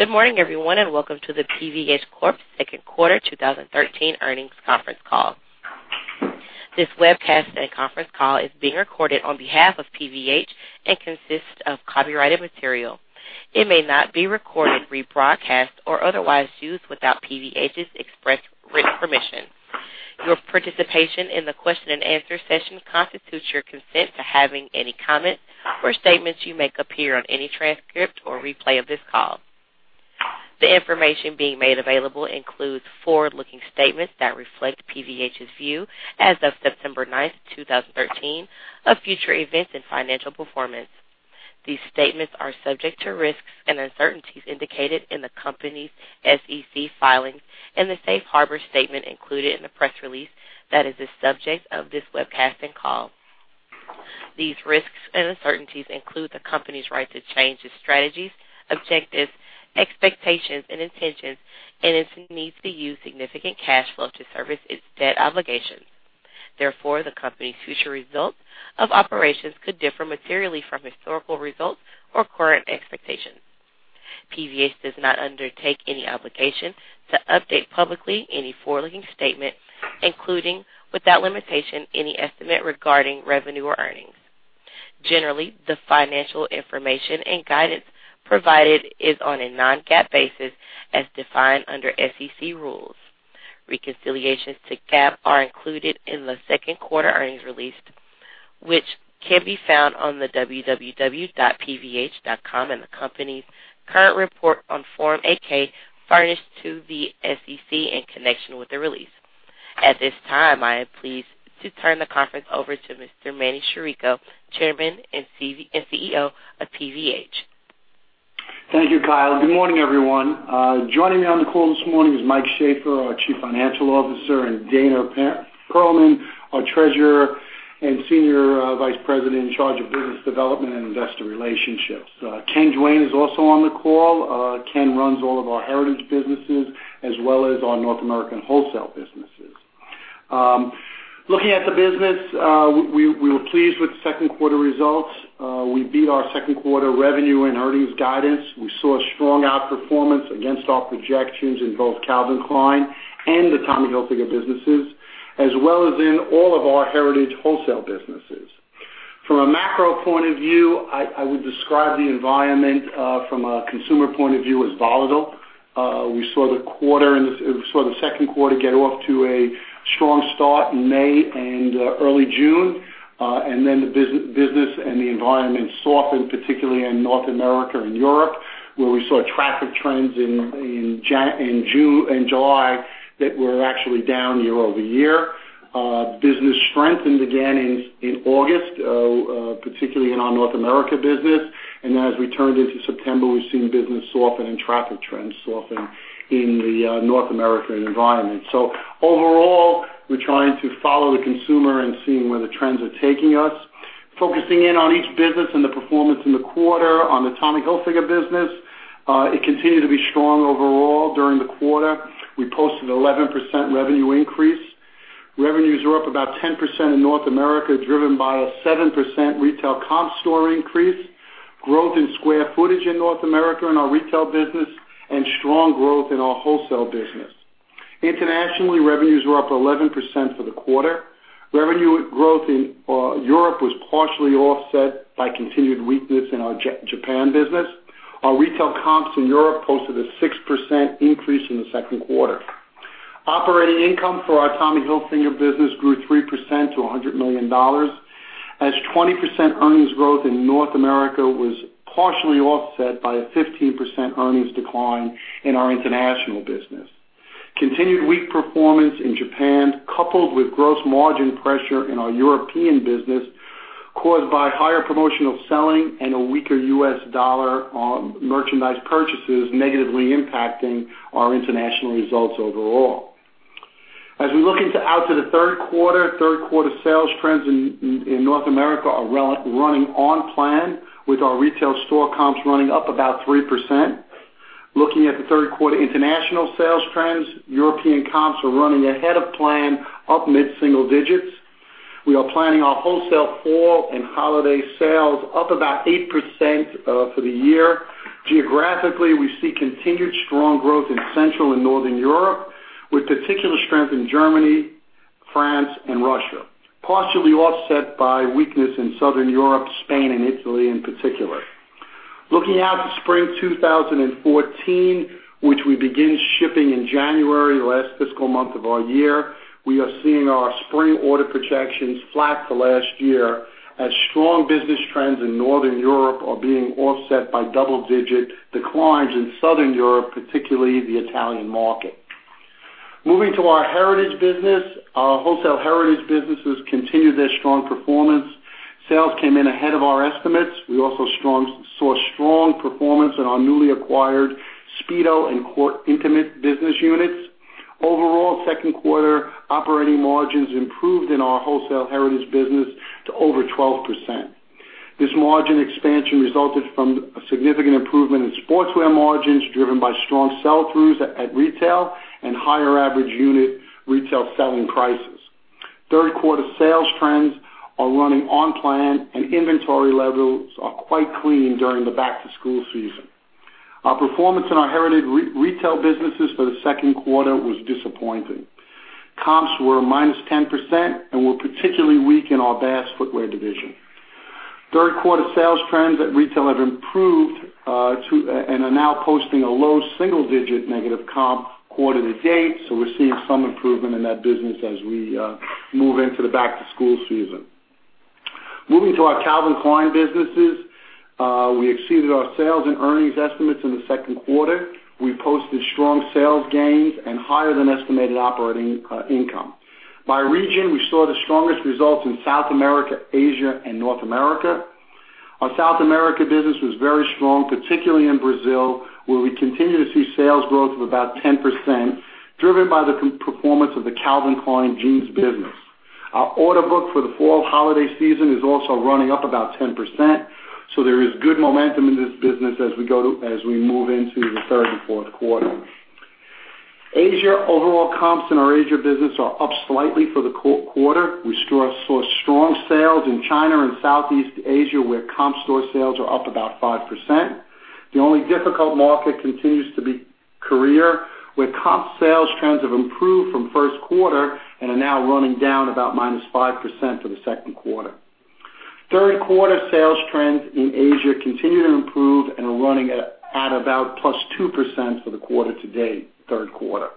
Good morning, everyone, and welcome to the PVH Corp second quarter 2013 earnings conference call. This webcast and conference call is being recorded on behalf of PVH and consists of copyrighted material. It may not be recorded, rebroadcast, or otherwise used without PVH's express written permission. Your participation in the question and answer session constitutes your consent to having any comments or statements you make appear on any transcript or replay of this call. The information being made available includes forward-looking statements that reflect PVH's view as of September 9, 2013, of future events and financial performance. These statements are subject to risks and uncertainties indicated in the company's SEC filings and the safe harbor statement included in the press release that is the subject of this webcast and call. These risks and uncertainties include the company's right to change its strategies, objectives, expectations, and intentions, and its needs to use significant cash flow to service its debt obligations. Therefore, the company's future results of operations could differ materially from historical results or current expectations. PVH does not undertake any obligation to update publicly any forward-looking statement, including, without limitation, any estimate regarding revenue or earnings. Generally, the financial information and guidance provided is on a non-GAAP basis as defined under SEC rules. Reconciliations to GAAP are included in the second quarter earnings release, which can be found on the pvh.com and the company's current report on Form 8-K furnished to the SEC in connection with the release. At this time, I am pleased to turn the conference over to Mr. Manny Chirico, Chairman and CEO of PVH. Thank you, Kyle. Good morning, everyone. Joining me on the call this morning is Mike Shaffer, our Chief Financial Officer, and Dana Telsey, our Treasurer and Senior Vice President in charge of Business Development and Investor Relationships. Ken Duane is also on the call. Ken runs all of our heritage businesses as well as our North American wholesale businesses. Looking at the business, we were pleased with second quarter results. We beat our second quarter revenue and earnings guidance. We saw strong outperformance against our projections in both Calvin Klein and the Tommy Hilfiger businesses, as well as in all of our heritage wholesale businesses. From a macro point of view, I would describe the environment from a consumer point of view as volatile. We saw the second quarter get off to a strong start in May and early June, then the business and the environment softened, particularly in North America and Europe, where we saw traffic trends in June and July that were actually down year-over-year. Business strengthened again in August, particularly in our North America business. As we turned into September, we've seen business soften and traffic trends soften in the North American environment. Overall, we're trying to follow the consumer and seeing where the trends are taking us. Focusing in on each business and the performance in the quarter. On the Tommy Hilfiger business, it continued to be strong overall during the quarter. We posted an 11% revenue increase. Revenues were up about 10% in North America, driven by a 7% retail comp store increase, growth in square footage in North America in our retail business, and strong growth in our wholesale business. Internationally, revenues were up 11% for the quarter. Revenue growth in Europe was partially offset by continued weakness in our Japan business. Our retail comps in Europe posted a 6% increase in the second quarter. Operating income for our Tommy Hilfiger business grew 3% to $100 million, as 20% earnings growth in North America was partially offset by a 15% earnings decline in our international business. Continued weak performance in Japan, coupled with gross margin pressure in our European business caused by higher promotional selling and a weaker U.S. dollar on merchandise purchases, negatively impacting our international results overall. Looking out to the third quarter, third quarter sales trends in North America are running on plan, with our retail store comps running up about 3%. Looking at the third quarter international sales trends, European comps are running ahead of plan, up mid-single digits. We are planning our wholesale fall and holiday sales up about 8% for the year. Geographically, we see continued strong growth in Central and Northern Europe, with particular strength in Germany, France, and Russia, partially offset by weakness in Southern Europe, Spain, and Italy in particular. Looking out to spring 2014, which we begin shipping in January, last fiscal month of our year, we are seeing our spring order projections flat to last year, as strong business trends in Northern Europe are being offset by double-digit declines in Southern Europe, particularly the Italian market. Moving to our heritage business. Our wholesale heritage businesses continued their strong performance. Sales came in ahead of our estimates. We also saw strong performance in our newly acquired Speedo and Core Intimates business units. Overall, second quarter operating margins improved in our wholesale heritage business to over 12%. This margin expansion resulted from a significant improvement in sportswear margins, driven by strong sell-throughs at retail and higher average unit retail selling prices. Third quarter sales trends are running on plan, and inventory levels are quite clean during the back-to-school season. Our performance in our heritage retail businesses for the second quarter was disappointing. Comps were -10% and were particularly weak in our Bass footwear division. Third quarter sales trends at retail have improved and are now posting a low single-digit negative comp quarter to date. We're seeing some improvement in that business as we move into the back-to-school season. Moving to our Calvin Klein businesses, we exceeded our sales and earnings estimates in the second quarter. We posted strong sales gains and higher than estimated operating income. By region, we saw the strongest results in South America, Asia, and North America. Our South America business was very strong, particularly in Brazil, where we continue to see sales growth of about 10%, driven by the performance of the Calvin Klein Jeans business. Our order book for the fall holiday season is also running up about 10%. There is good momentum in this business as we move into the third and fourth quarter. Asia, overall comps in our Asia business are up slightly for the quarter. We saw strong sales in China and Southeast Asia, where comp store sales are up about 5%. The only difficult market continues to be Korea, where comp sales trends have improved from first quarter and are now running down about -5% for the second quarter. Third quarter sales trends in Asia continue to improve and are running at about +2% for the quarter to date, third quarter.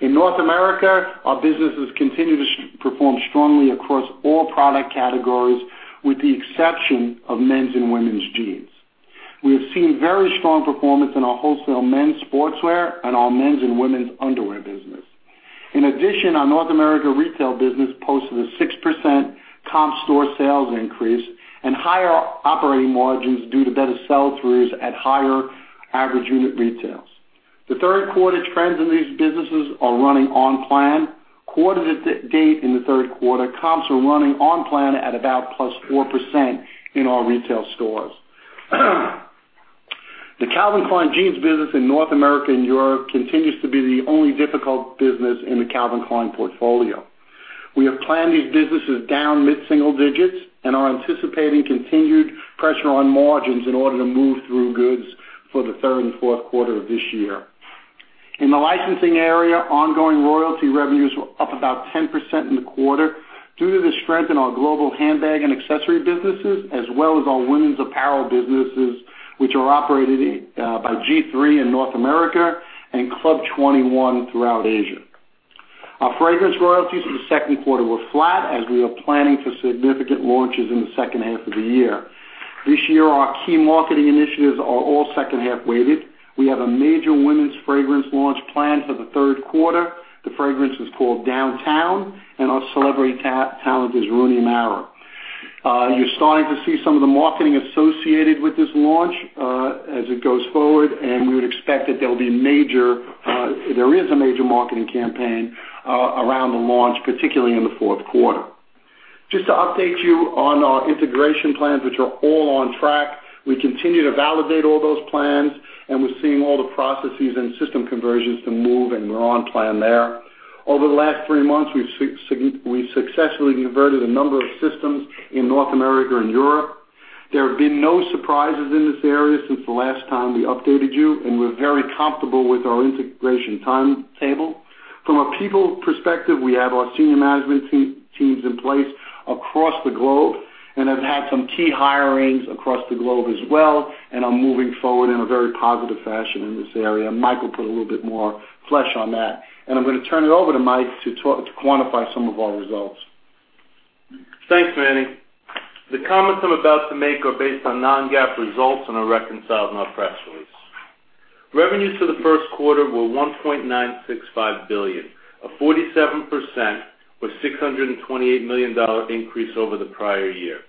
In North America, our businesses continue to perform strongly across all product categories, with the exception of men's and women's jeans. We have seen very strong performance in our wholesale men's sportswear and our men's and women's underwear business. In addition, our North America retail business posted a 6% comp store sales increase and higher operating margins due to better sell-throughs at higher average unit retails. The third quarter trends in these businesses are running on plan. Quarter to date in the third quarter, comps are running on plan at about +4% in our retail stores. The Calvin Klein Jeans business in North America and Europe continues to be the only difficult business in the Calvin Klein portfolio. We have planned these businesses down mid-single digits and are anticipating continued pressure on margins in order to move through goods for the third and fourth quarter of this year. In the licensing area, ongoing royalty revenues were up about 10% in the quarter due to the strength in our global handbag and accessory businesses, as well as our women's apparel businesses, which are operated by G3 in North America and Club 21 throughout Asia. Our fragrance royalties for the second quarter were flat as we are planning for significant launches in the second half of the year. This year, our key marketing initiatives are all second-half weighted. We have a major women's fragrance launch planned for the third quarter. The fragrance is called Downtown. Our celebrity talent is Rooney Mara. You're starting to see some of the marketing associated with this launch as it goes forward. We would expect that there is a major marketing campaign around the launch, particularly in the fourth quarter. Just to update you on our integration plans, which are all on track. We continue to validate all those plans, and we're seeing all the processes and system conversions to move, and we're on plan there. Over the last three months, we've successfully converted a number of systems in North America and Europe. There have been no surprises in this area since the last time we updated you, and we're very comfortable with our integration timetable. From a people perspective, we have our senior management teams in place across the globe and have had some key hirings across the globe as well and are moving forward in a very positive fashion in this area. Mike will put a little bit more flesh on that. I'm going to turn it over to Mike to quantify some of our results. Thanks, Manny. The comments I'm about to make are based on non-GAAP results and are reconciled in our press release. Revenues for the first quarter were $1.965 billion, a 47% or $628 million increase over the prior year.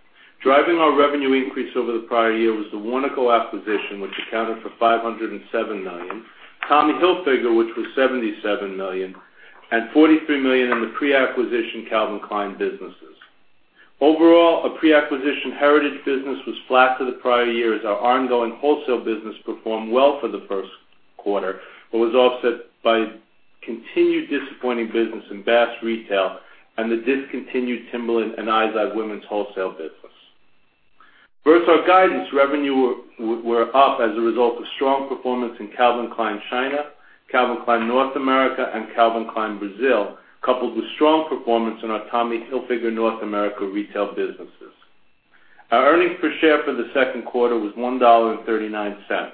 Driving our revenue increase over the prior year was the Warnaco acquisition, which accounted for $507 million, Tommy Hilfiger, which was $77 million, and $43 million in the pre-acquisition Calvin Klein businesses. Overall, a pre-acquisition Heritage business was flat to the prior year as our ongoing wholesale business performed well for the first quarter, but was offset by continued disappointing business in Bass Retail and the discontinued Timberland and Izod women's wholesale business. Versus our guidance, revenue were up as a result of strong performance in Calvin Klein China, Calvin Klein North America, and Calvin Klein Brazil, coupled with strong performance in our Tommy Hilfiger North America retail businesses. Our earnings per share for the second quarter was $1.39.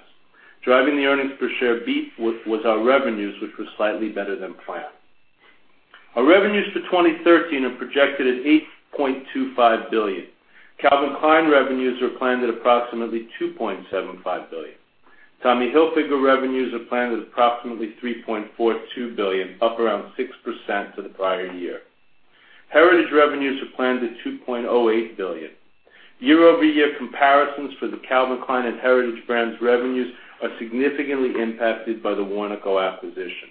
Driving the earnings per share beat was our revenues, which were slightly better than planned. Our revenues for 2013 are projected at $8.25 billion. Calvin Klein revenues are planned at approximately $2.75 billion. Tommy Hilfiger revenues are planned at approximately $3.42 billion, up around 6% to the prior year. Heritage revenues are planned at $2.08 billion. Year-over-year comparisons for the Calvin Klein and Heritage brands revenues are significantly impacted by the Warnaco acquisition.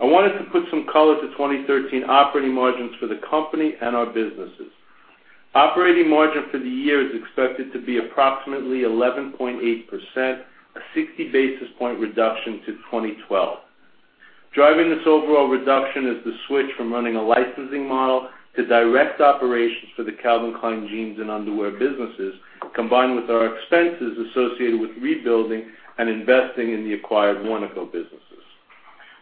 I wanted to put some color to 2013 operating margins for the company and our businesses. Operating margin for the year is expected to be approximately 11.8%, a 60-basis point reduction to 2012. Driving this overall reduction is the switch from running a licensing model to direct operations for the Calvin Klein Jeans and underwear businesses, combined with our expenses associated with rebuilding and investing in the acquired Warnaco businesses.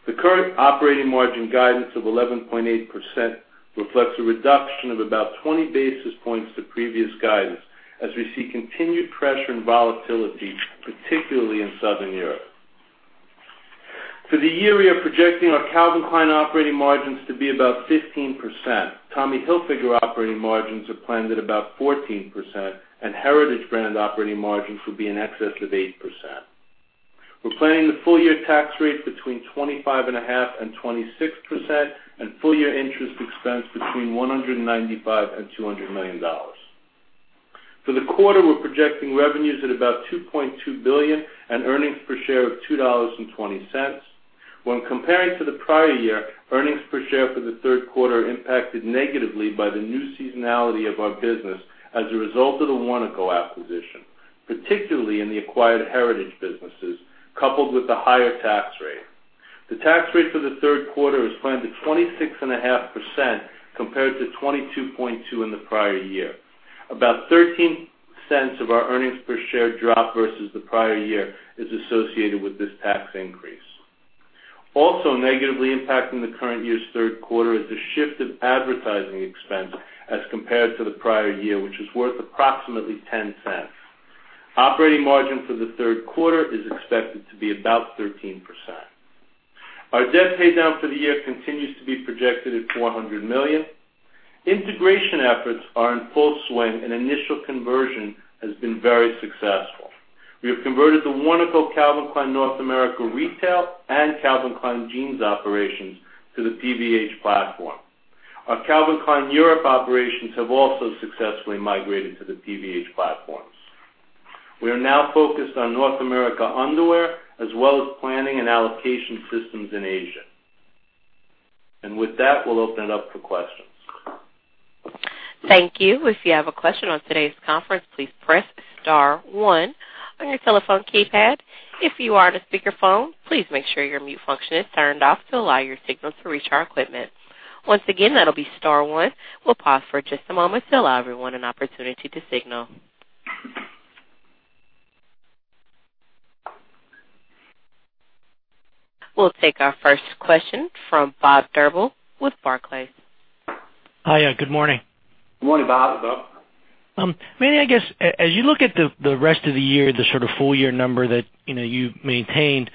The current operating margin guidance of 11.8% reflects a reduction of about 20 basis points to previous guidance as we see continued pressure and volatility, particularly in Southern Europe. For the year, we are projecting our Calvin Klein operating margins to be about 15%. Tommy Hilfiger operating margins are planned at about 14%, and Heritage Brand operating margins will be in excess of 8%. We're planning the full year tax rate between 25.5% and 26%, and full year interest expense between $195 and $200 million. For the quarter, we're projecting revenues at about $2.2 billion and earnings per share of $2.20. When comparing to the prior year, earnings per share for the third quarter are impacted negatively by the new seasonality of our business as a result of the Warnaco acquisition, particularly in the acquired Heritage businesses, coupled with the higher tax rate. The tax rate for the third quarter is planned at 26.5%, compared to 22.2% in the prior year. About $0.13 of our earnings per share drop versus the prior year is associated with this tax increase. Also negatively impacting the current year's third quarter is the shift of advertising expense as compared to the prior year, which is worth approximately $0.10. Operating margin for the third quarter is expected to be about 13%. Our debt paydown for the year continues to be projected at $400 million. Integration efforts are in full swing and initial conversion has been very successful. We have converted the Warnaco Calvin Klein North America retail and Calvin Klein Jeans operations to the PVH platform. Our Calvin Klein Europe operations have also successfully migrated to the PVH platforms. We are now focused on North America underwear as well as planning and allocation systems in Asia. With that, we'll open it up for questions. Thank you. If you have a question on today's conference, please press star one on your telephone keypad. If you are on a speakerphone, please make sure your mute function is turned off to allow your signal to reach our equipment. Once again, that'll be star one. We'll pause for just a moment to allow everyone an opportunity to signal. We'll take our first question from Bob Drbul with Barclays. Hi, good morning. Good morning, Bob. Manny, I guess as you look at the rest of the year, the sort of full year number that you've maintained,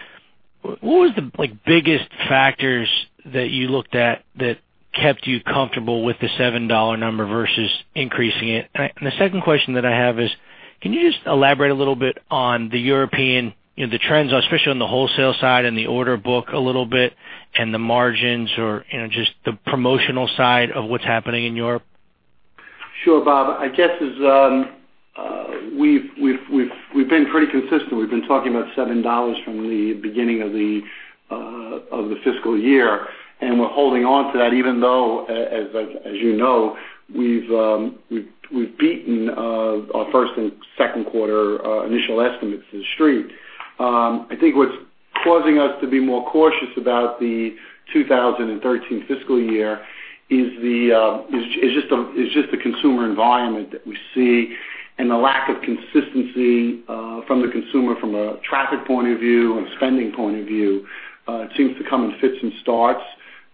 what was the biggest factors that you looked at that kept you comfortable with the $7 number versus increasing it? The second question that I have is, can you just elaborate a little bit on the European trends, especially on the wholesale side and the order book a little bit, and the margins or just the promotional side of what's happening in Europe? Sure, Bob. I guess we've been pretty consistent. We've been talking about $7 from the beginning of the fiscal year, we're holding on to that even though, as you know, we've beaten our first and second quarter initial estimates to The Street. I think what's causing us to be more cautious about the 2013 fiscal year is just the consumer environment that we see and the lack of consistency from the consumer from a traffic point of view and spending point of view. It seems to come in fits and starts.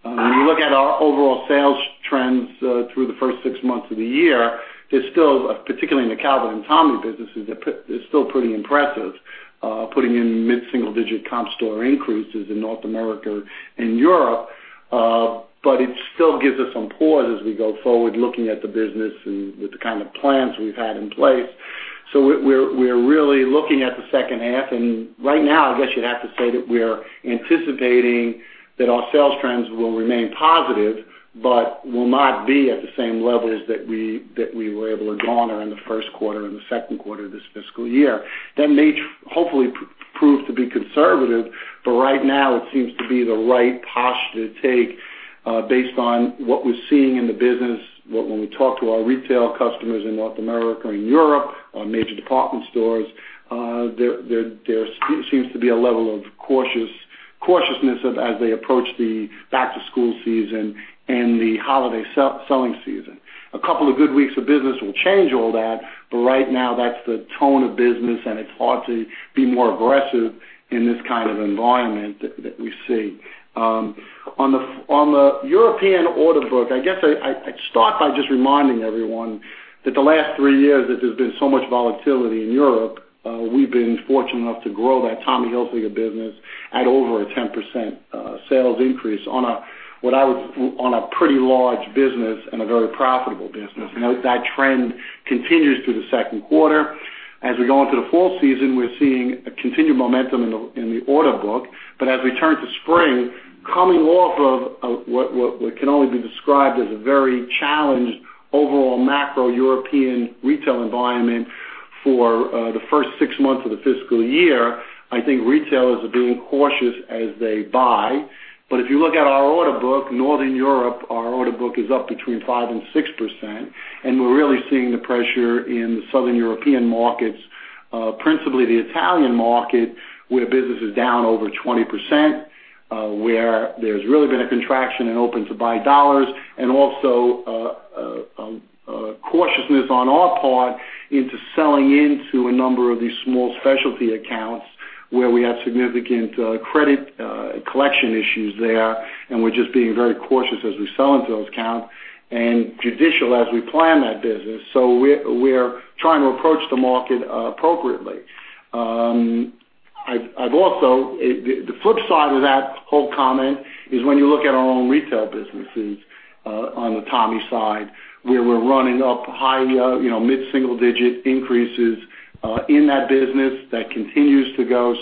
When you look at our overall sales trends through the first six months of the year, particularly in the Calvin and Tommy businesses, they're still pretty impressive. Putting in mid-single-digit comp store increases in North America and Europe. It still gives us some pause as we go forward looking at the business and with the kind of plans we've had in place. We're really looking at the second half, and right now, I guess you'd have to say that we're anticipating that our sales trends will remain positive, but will not be at the same levels that we were able to go on in the first quarter and the second quarter this fiscal year. That may hopefully prove to be conservative, but right now it seems to be the right posture to take based on what we're seeing in the business. When we talk to our retail customers in North America and Europe, our major department stores, there seems to be a level of cautiousness as they approach the back-to-school season and the holiday selling season. A couple of good weeks of business will change all that, but right now that's the tone of business, and it's hard to be more aggressive in this kind of environment that we see. On the European order book, I guess I'd start by just reminding everyone that the last three years that there's been so much volatility in Europe, we've been fortunate enough to grow that Tommy Hilfiger business at over a 10% sales increase on a pretty large business and a very profitable business. That trend continues through the second quarter. As we go into the fall season, we're seeing a continued momentum in the order book. As we turn to spring, coming off of what can only be described as a very challenged overall macro European retail environment. For the first six months of the fiscal year, I think retailers are being cautious as they buy. If you look at our order book, Northern Europe, our order book is up between 5% and 6%, and we're really seeing the pressure in the Southern European markets, principally the Italian market, where business is down over 20%, where there's really been a contraction in open-to-buy dollars, and also a cautiousness on our part into selling into a number of these small specialty accounts where we have significant credit collection issues there, and we're just being very cautious as we sell into those accounts and judicious as we plan that business. We're trying to approach the market appropriately. The flip side of that whole comment is when you look at our own retail businesses on the Tommy side, where we're running up high, mid-single-digit increases in that business, that continues to go.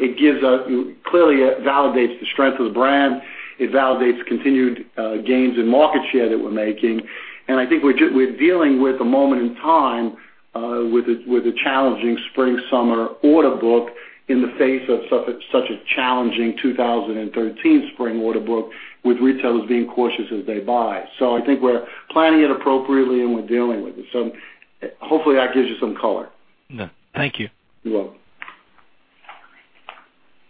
It clearly validates the strength of the brand. It validates continued gains in market share that we're making. I think we're dealing with a moment in time with a challenging spring-summer order book in the face of such a challenging 2013 spring order book, with retailers being cautious as they buy. I think we're planning it appropriately, and we're dealing with it. Hopefully, that gives you some color. Yeah. Thank you. You're welcome.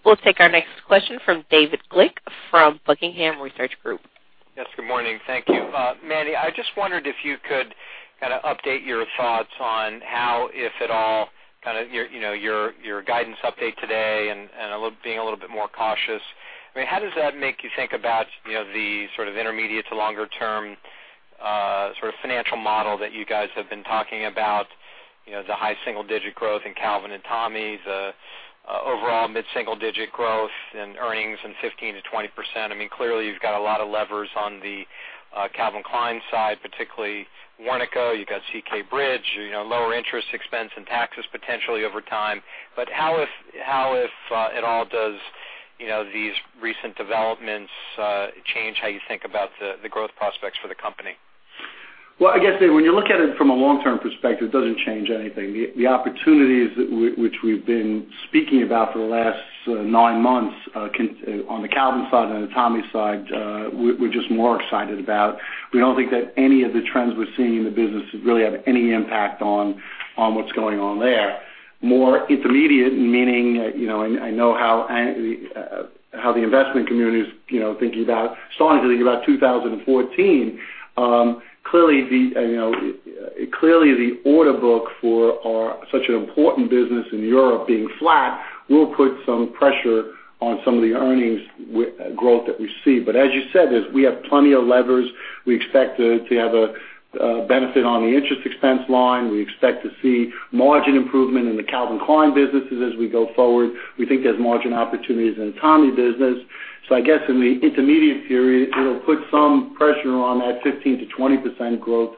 We'll take our next question from David Glick from Buckingham Research Group. Yes, good morning. Thank you. Manny, I just wondered if you could update your thoughts on how, if at all, your guidance update today and being a little bit more cautious. How does that make you think about the intermediate to longer term financial model that you guys have been talking about, the high single-digit growth in Calvin and Tommy, the overall mid-single-digit growth in earnings in 15%-20%? Clearly, you've got a lot of levers on the Calvin Klein side, particularly Warnaco. You've got CK Bridge, lower interest expense and taxes potentially over time. How, if at all, does these recent developments change how you think about the growth prospects for the company? I guess when you look at it from a long-term perspective, it doesn't change anything. The opportunities which we've been speaking about for the last nine months on the Calvin side and the Tommy side, we're just more excited about. We don't think that any of the trends we're seeing in the business really have any impact on what's going on there. More intermediate, meaning I know how the investment community is starting to think about 2014. Clearly, the order book for such an important business in Europe being flat will put some pressure on some of the earnings growth that we see. As you said, we have plenty of levers. We expect to have a benefit on the interest expense line. We expect to see margin improvement in the Calvin Klein businesses as we go forward. We think there's margin opportunities in the Tommy business. I guess in the intermediate period, it'll put some pressure on that 15%-20% growth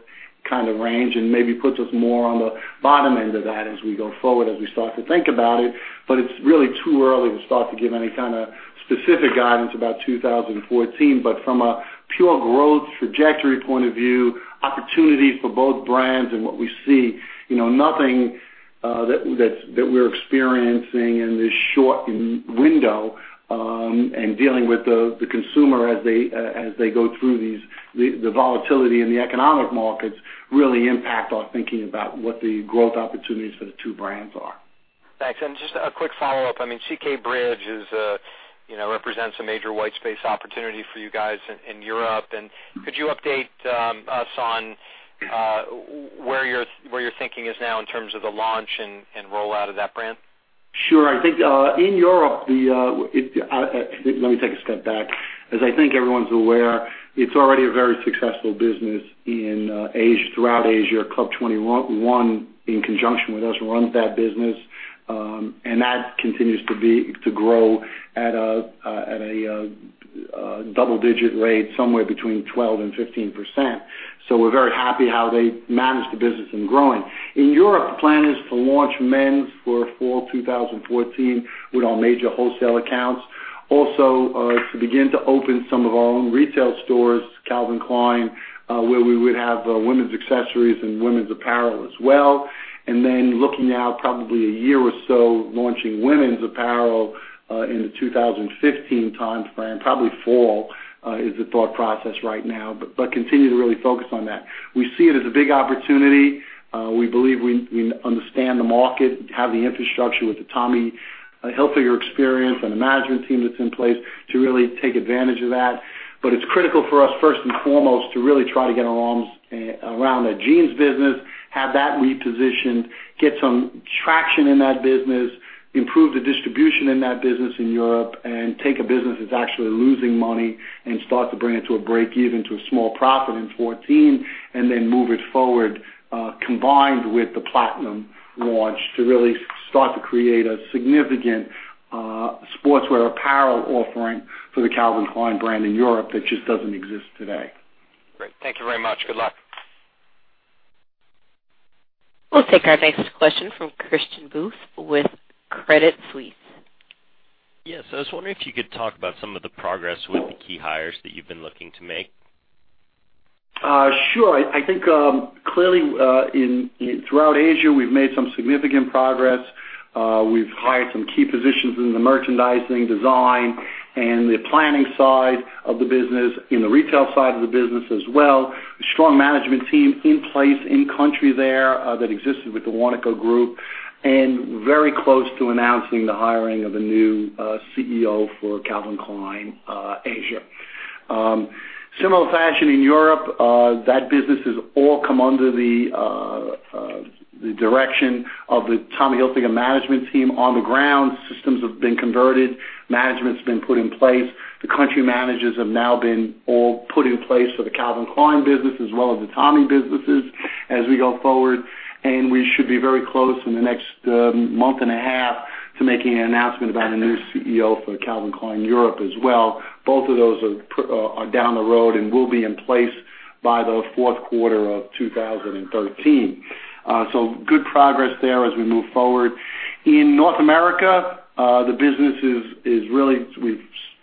range and maybe puts us more on the bottom end of that as we go forward, as we start to think about it. It's really too early to start to give any kind of specific guidance about 2014. From a pure growth trajectory point of view, opportunities for both brands and what we see, nothing that we're experiencing in this short window and dealing with the consumer as they go through the volatility in the economic markets really impact our thinking about what the growth opportunities for the two brands are. Thanks. Just a quick follow-up. CK Bridge represents a major white space opportunity for you guys in Europe. Could you update us on where your thinking is now in terms of the launch and rollout of that brand? Sure. Let me take a step back. As I think everyone's aware, it's already a very successful business throughout Asia. Club 21, in conjunction with us, runs that business. That continues to grow at a double-digit rate, somewhere between 12% and 15%. We're very happy how they managed the business and growing. In Europe, the plan is to launch men's for fall 2014 with our major wholesale accounts. Also, to begin to open some of our own retail stores, Calvin Klein, where we would have women's accessories and women's apparel as well. Looking out probably a year or so, launching women's apparel in the 2015 timeframe, probably fall is the thought process right now, but continue to really focus on that. We see it as a big opportunity. We believe we understand the market, have the infrastructure with the Tommy Hilfiger experience and the management team that's in place to really take advantage of that. It's critical for us, first and foremost, to really try to get our arms around that jeans business, have that repositioned, get some traction in that business, improve the distribution in that business in Europe, and take a business that's actually losing money and start to bring it to a break even to a small profit in 2014, and then move it forward, combined with the Platinum launch, to really start to create a significant sportswear apparel offering for the Calvin Klein brand in Europe that just doesn't exist today. Great. Thank you very much. Good luck. We'll take our next question from Christian Buss with Credit Suisse. Yes. I was wondering if you could talk about some of the progress with the key hires that you've been looking to make. Sure. I think clearly throughout Asia, we've made some significant progress. We've hired some key positions in the merchandising design and the planning side of the business, in the retail side of the business as well. A strong management team in place in-country there that existed with the Warnaco Group, and very close to announcing the hiring of a new CEO for Calvin Klein Asia. Similar fashion in Europe, that business has all come under the direction of the Tommy Hilfiger management team on the ground. Systems have been converted, management's been put in place. The country managers have now been all put in place for the Calvin Klein business, as well as the Tommy businesses as we go forward. We should be very close in the next month and a half to making an announcement about a new CEO for Calvin Klein Europe as well. Both of those are down the road and will be in place by the fourth quarter of 2013. Good progress there as we move forward. In North America, we've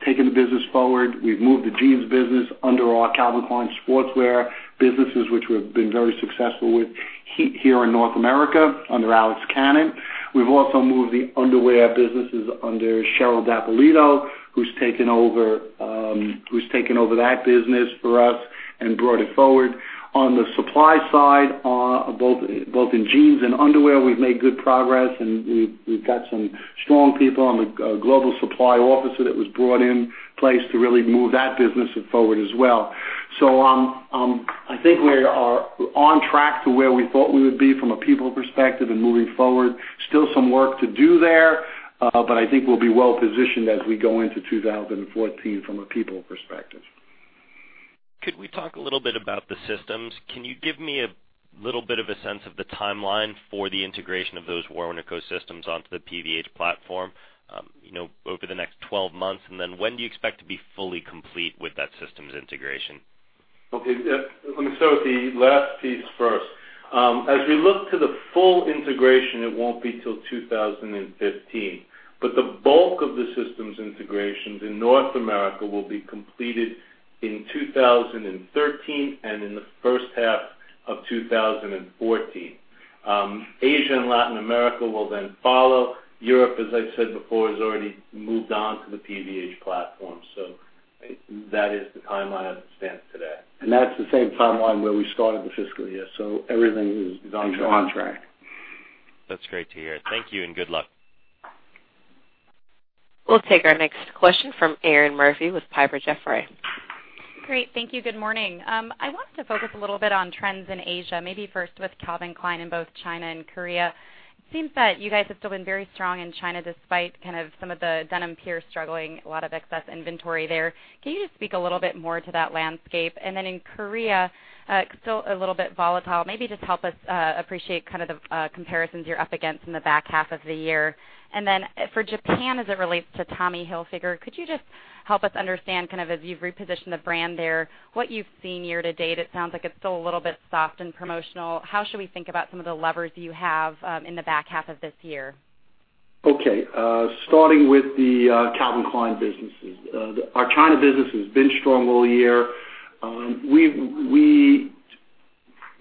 taken the business forward. We've moved the jeans business under our Calvin Klein sportswear businesses, which we've been very successful with here in North America under Alex Cannon. We've also moved the underwear businesses under Cheryl Abel-Hodgeso, who's taken over that business for us and brought it forward. On the supply side, both in jeans and underwear, we've made good progress, and we've got some strong people on the global supply office that was brought in place to really move that business forward as well. I think we are on track to where we thought we would be from a people perspective and moving forward. Still some work to do there. I think we'll be well positioned as we go into 2014 from a people perspective. Could we talk a little bit about the systems? Can you give me a little bit of a sense of the timeline for the integration of those Warnaco systems onto the PVH platform over the next 12 months? When do you expect to be fully complete with that systems integration? Okay. Let me start with the last piece first. As we look to the full integration, it won't be till 2015, but the bulk of the systems integrations in North America will be completed in 2013 and in the first half of 2014. Asia and Latin America will follow. Europe, as I said before, has already moved on to the PVH platform. That is the timeline as it stands today. That's the same timeline where we started the fiscal year. Everything is on track. That's great to hear. Thank you and good luck. We'll take our next question from Erinn Murphy with Piper Jaffray. Great. Thank you. Good morning. I wanted to focus a little bit on trends in Asia, maybe first with Calvin Klein in both China and Korea. It seems that you guys have still been very strong in China despite some of the denim peers struggling, a lot of excess inventory there. Can you just speak a little bit more to that landscape? In Korea, still a little bit volatile. Maybe just help us appreciate the comparisons you're up against in the back half of the year. For Japan, as it relates to Tommy Hilfiger, could you just help us understand as you've repositioned the brand there, what you've seen year to date? It sounds like it's still a little bit soft and promotional. How should we think about some of the levers you have in the back half of this year? Okay. Starting with the Calvin Klein businesses. Our China business has been strong all year.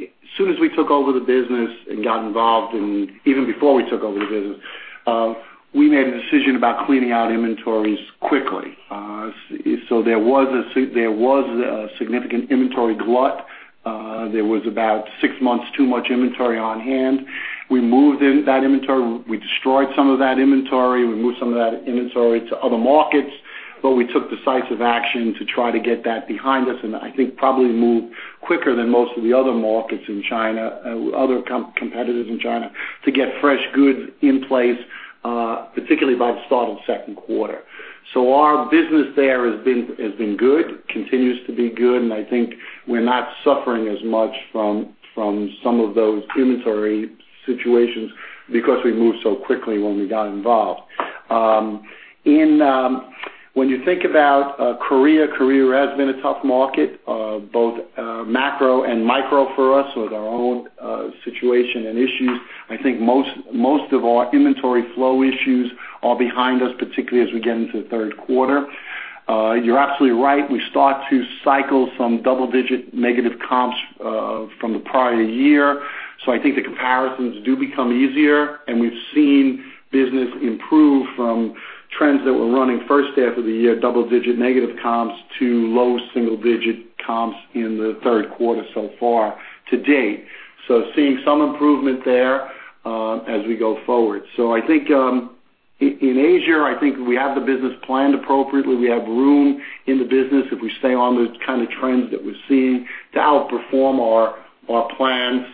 As soon as we took over the business and got involved, and even before we took over the business, we made a decision about cleaning out inventories quickly. There was a significant inventory glut. There was about six months too much inventory on hand. We moved that inventory. We destroyed some of that inventory. We moved some of that inventory to other markets. We took decisive action to try to get that behind us, and I think probably moved quicker than most of the other competitors in China to get fresh goods in place, particularly by the start of the second quarter. Our business there has been good, continues to be good, I think we're not suffering as much from some of those inventory situations because we moved so quickly when we got involved. When you think about Korea has been a tough market, both macro and micro for us with our own situation and issues. I think most of our inventory flow issues are behind us, particularly as we get into the third quarter. You're absolutely right. We start to cycle some double-digit negative comps from the prior year. I think the comparisons do become easier, and we've seen business improve from trends that were running first half of the year, double-digit negative comps to low single-digit comps in the third quarter so far to date. Seeing some improvement there as we go forward. I think in Asia, I think we have the business planned appropriately. We have room in the business if we stay on the kind of trends that we're seeing to outperform our plans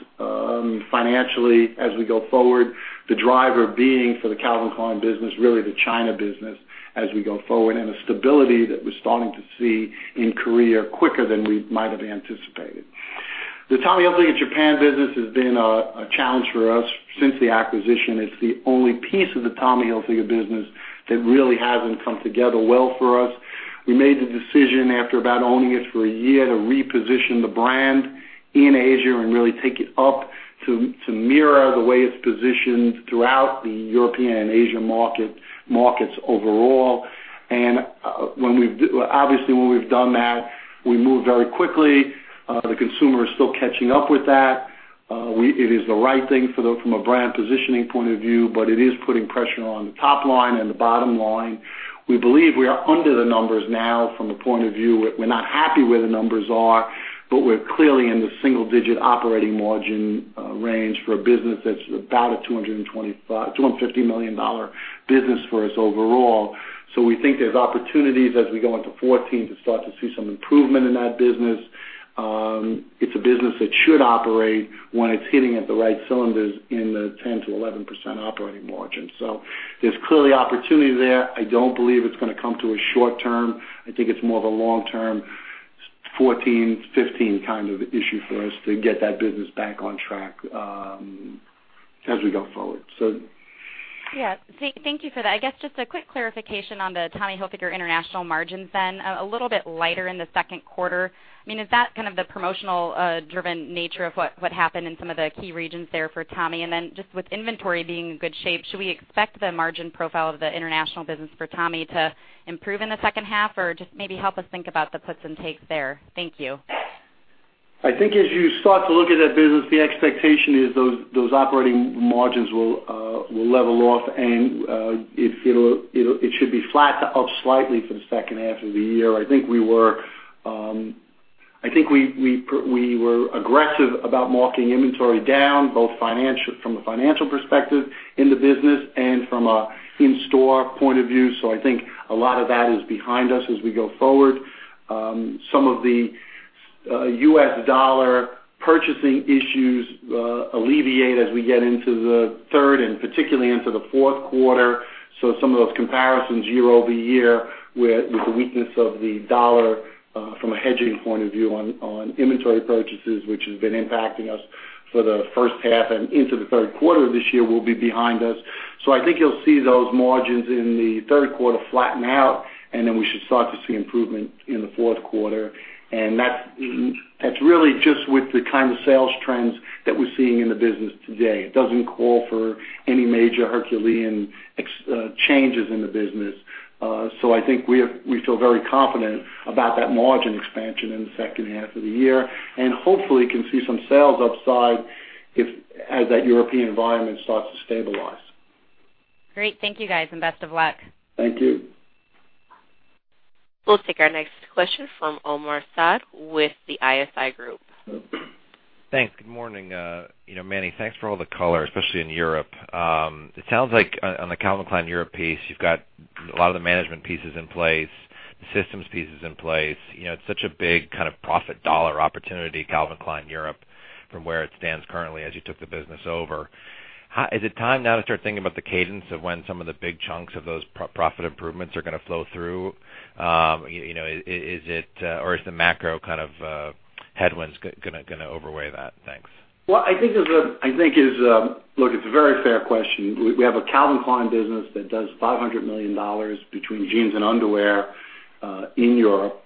financially as we go forward. The driver being for the Calvin Klein business, really the China business as we go forward, and the stability that we're starting to see in Korea quicker than we might have anticipated. The Tommy Hilfiger Japan business has been a challenge for us since the acquisition. It's the only piece of the Tommy Hilfiger business that really hasn't come together well for us. We made the decision after about owning it for a year to reposition the brand in Asia and really take it up to mirror the way it's positioned throughout the European and Asia markets overall. Obviously, when we've done that, we move very quickly. The consumer is still catching up with that. It is the right thing from a brand positioning point of view, it is putting pressure on the top line and the bottom line. We believe we are under the numbers now from the point of view. We're not happy where the numbers are, but we're clearly in the single-digit operating margin range for a business that's about a $250 million business for us overall. We think there's opportunities as we go into 2014 to start to see some improvement in that business. It's a business that should operate when it's hitting at the right cylinders in the 10%-11% operating margin. There's clearly opportunity there. I don't believe it's going to come to a short-term. I think it's more of a long-term, 2014, 2015 kind of issue for us to get that business back on track as we go forward. Thank you for that. I guess just a quick clarification on the Tommy Hilfiger international margins then. A little bit lighter in the second quarter. Is that kind of the promotional driven nature of what happened in some of the key regions there for Tommy? Just with inventory being in good shape, should we expect the margin profile of the international business for Tommy to improve in the second half? Or just maybe help us think about the puts and takes there. Thank you. I think as you start to look at that business, the expectation is those operating margins will level off and it should be flat to up slightly for the second half of the year. I think we were aggressive about marking inventory down, both from a financial perspective in the business and from a in-store point of view. I think a lot of that is behind us as we go forward. Some of the US dollar purchasing issues alleviate as we get into the third and particularly into the fourth quarter. Some of those comparisons year-over-year with the weakness of the dollar from a hedging point of view on inventory purchases, which has been impacting us for the first half and into the third quarter of this year, will be behind us. I think you'll see those margins in the third quarter flatten out, and then we should start to see improvement in the fourth quarter. That's really just with the kind of sales trends that we're seeing in the business today. It doesn't call for any major Herculean changes in the business. I think we feel very confident about that margin expansion in the second half of the year. Hopefully can see some sales upside as that European environment starts to stabilize. Great. Thank you, guys, and best of luck. Thank you. We'll take our next question from Omar Saad with the ISI Group. Thanks. Good morning. Manny, thanks for all the color, especially in Europe. It sounds like on the Calvin Klein Europe piece, you've got a lot of the management pieces in place, the systems pieces in place. It's such a big kind of profit dollar opportunity, Calvin Klein Europe, from where it stands currently as you took the business over. Is it time now to start thinking about the cadence of when some of the big chunks of those profit improvements are going to flow through? Or is the macro kind of headwinds going to overweigh that? Thanks. Well, look, it's a very fair question. We have a Calvin Klein business that does $500 million between jeans and underwear in Europe.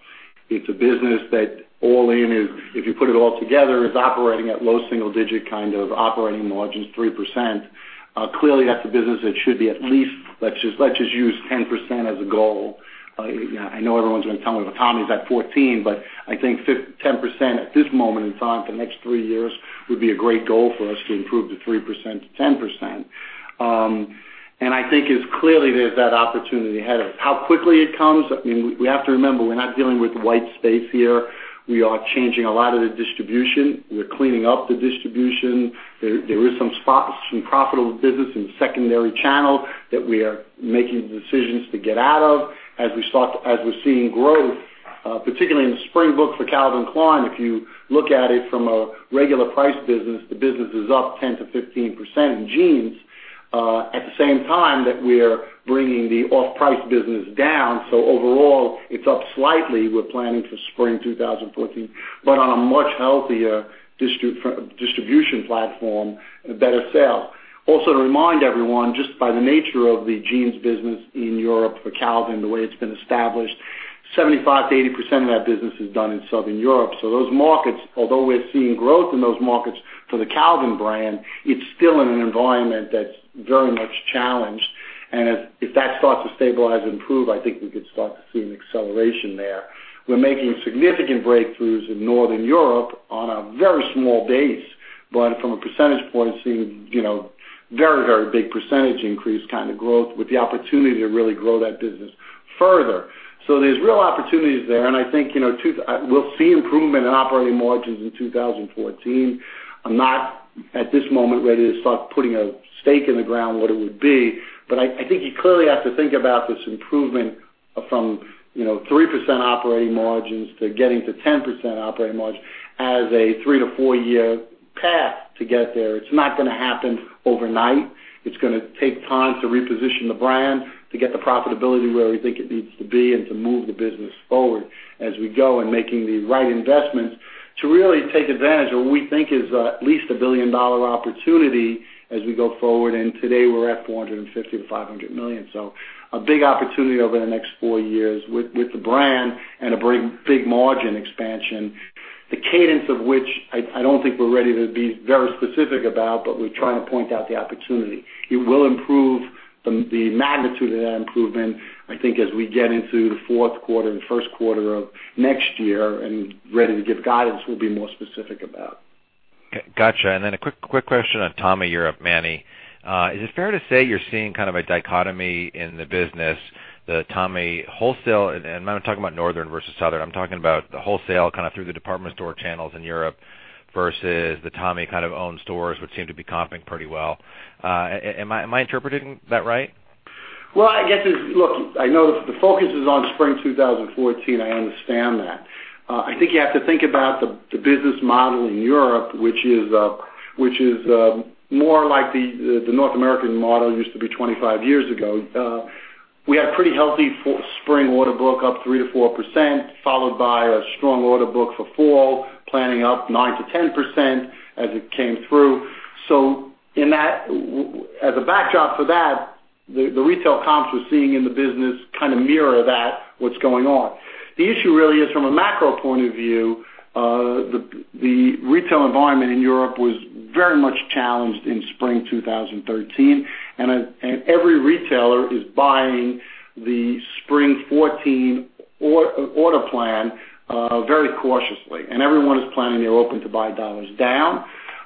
It's a business that all in, if you put it all together, is operating at low single digit kind of operating margins, 3%. Clearly, that's a business that should be at least, let's just use 10% as a goal. I know everyone's going to tell me that Tommy's at 14%, but I think 10% at this moment in time for the next three years would be a great goal for us to improve the 3% to 10%. I think it's clearly there's that opportunity ahead of us. How quickly it comes, we have to remember, we're not dealing with white space here. We are changing a lot of the distribution. We're cleaning up the distribution. There is some spots, some profitable business in secondary channel that we are making decisions to get out of as we're seeing growth, particularly in the spring book for Calvin Klein. If you look at it from a regular price business, the business is up 10%-15% in jeans at the same time that we're bringing the off-price business down. Overall, it's up slightly. We're planning for spring 2014, but on a much healthier distribution platform, a better sell. Also to remind everyone, just by the nature of the jeans business in Europe for Calvin, the way it's been established, 75%-80% of that business is done in Southern Europe. Those markets, although we're seeing growth in those markets for the Calvin brand, it's still in an environment that's very much challenged. If that starts to stabilize and improve, I think we could start to see an acceleration there. We're making significant breakthroughs in Northern Europe on a very small base, but from a percentage point, seeing very big percentage increase kind of growth with the opportunity to really grow that business further. There's real opportunities there, and I think we'll see improvement in operating margins in 2014. I'm not, at this moment, ready to start putting a stake in the ground what it would be. I think you clearly have to think about this improvement from 3% operating margins to getting to 10% operating margin as a three to four year path to get there. It's not going to happen overnight. It's going to take time to reposition the brand, to get the profitability where we think it needs to be, and to move the business forward as we go and making the right investments to really take advantage of what we think is at least a billion-dollar opportunity as we go forward. Today, we're at $450 million-$500 million. A big opportunity over the next four years with the brand. A very big margin expansion. The cadence of which I don't think we're ready to be very specific about, but we're trying to point out the opportunity. It will improve the magnitude of that improvement, I think, as we get into the fourth quarter and first quarter of next year and ready to give guidance, we'll be more specific about. Okay. Got you. A quick question on Tommy Europe, Manny. Is it fair to say you're seeing a dichotomy in the business, the Tommy wholesale, and I'm not talking about northern versus southern, I'm talking about the wholesale through the department store channels in Europe versus the Tommy owned stores, which seem to be comping pretty well. Am I interpreting that right? Well, look, I know the focus is on spring 2014. I understand that. I think you have to think about the business model in Europe, which is more like the North American model used to be 25 years ago. We had pretty healthy spring order book, up 3%-4%, followed by a strong order book for fall, planning up 9%-10% as it came through. As a backdrop for that, the retail comps we're seeing in the business kind of mirror that what's going on. The issue really is from a macro point of view, the retail environment in Europe was very much challenged in spring 2013, every retailer is buying the spring 2014 order plan very cautiously, everyone is planning their open to buy dollars down.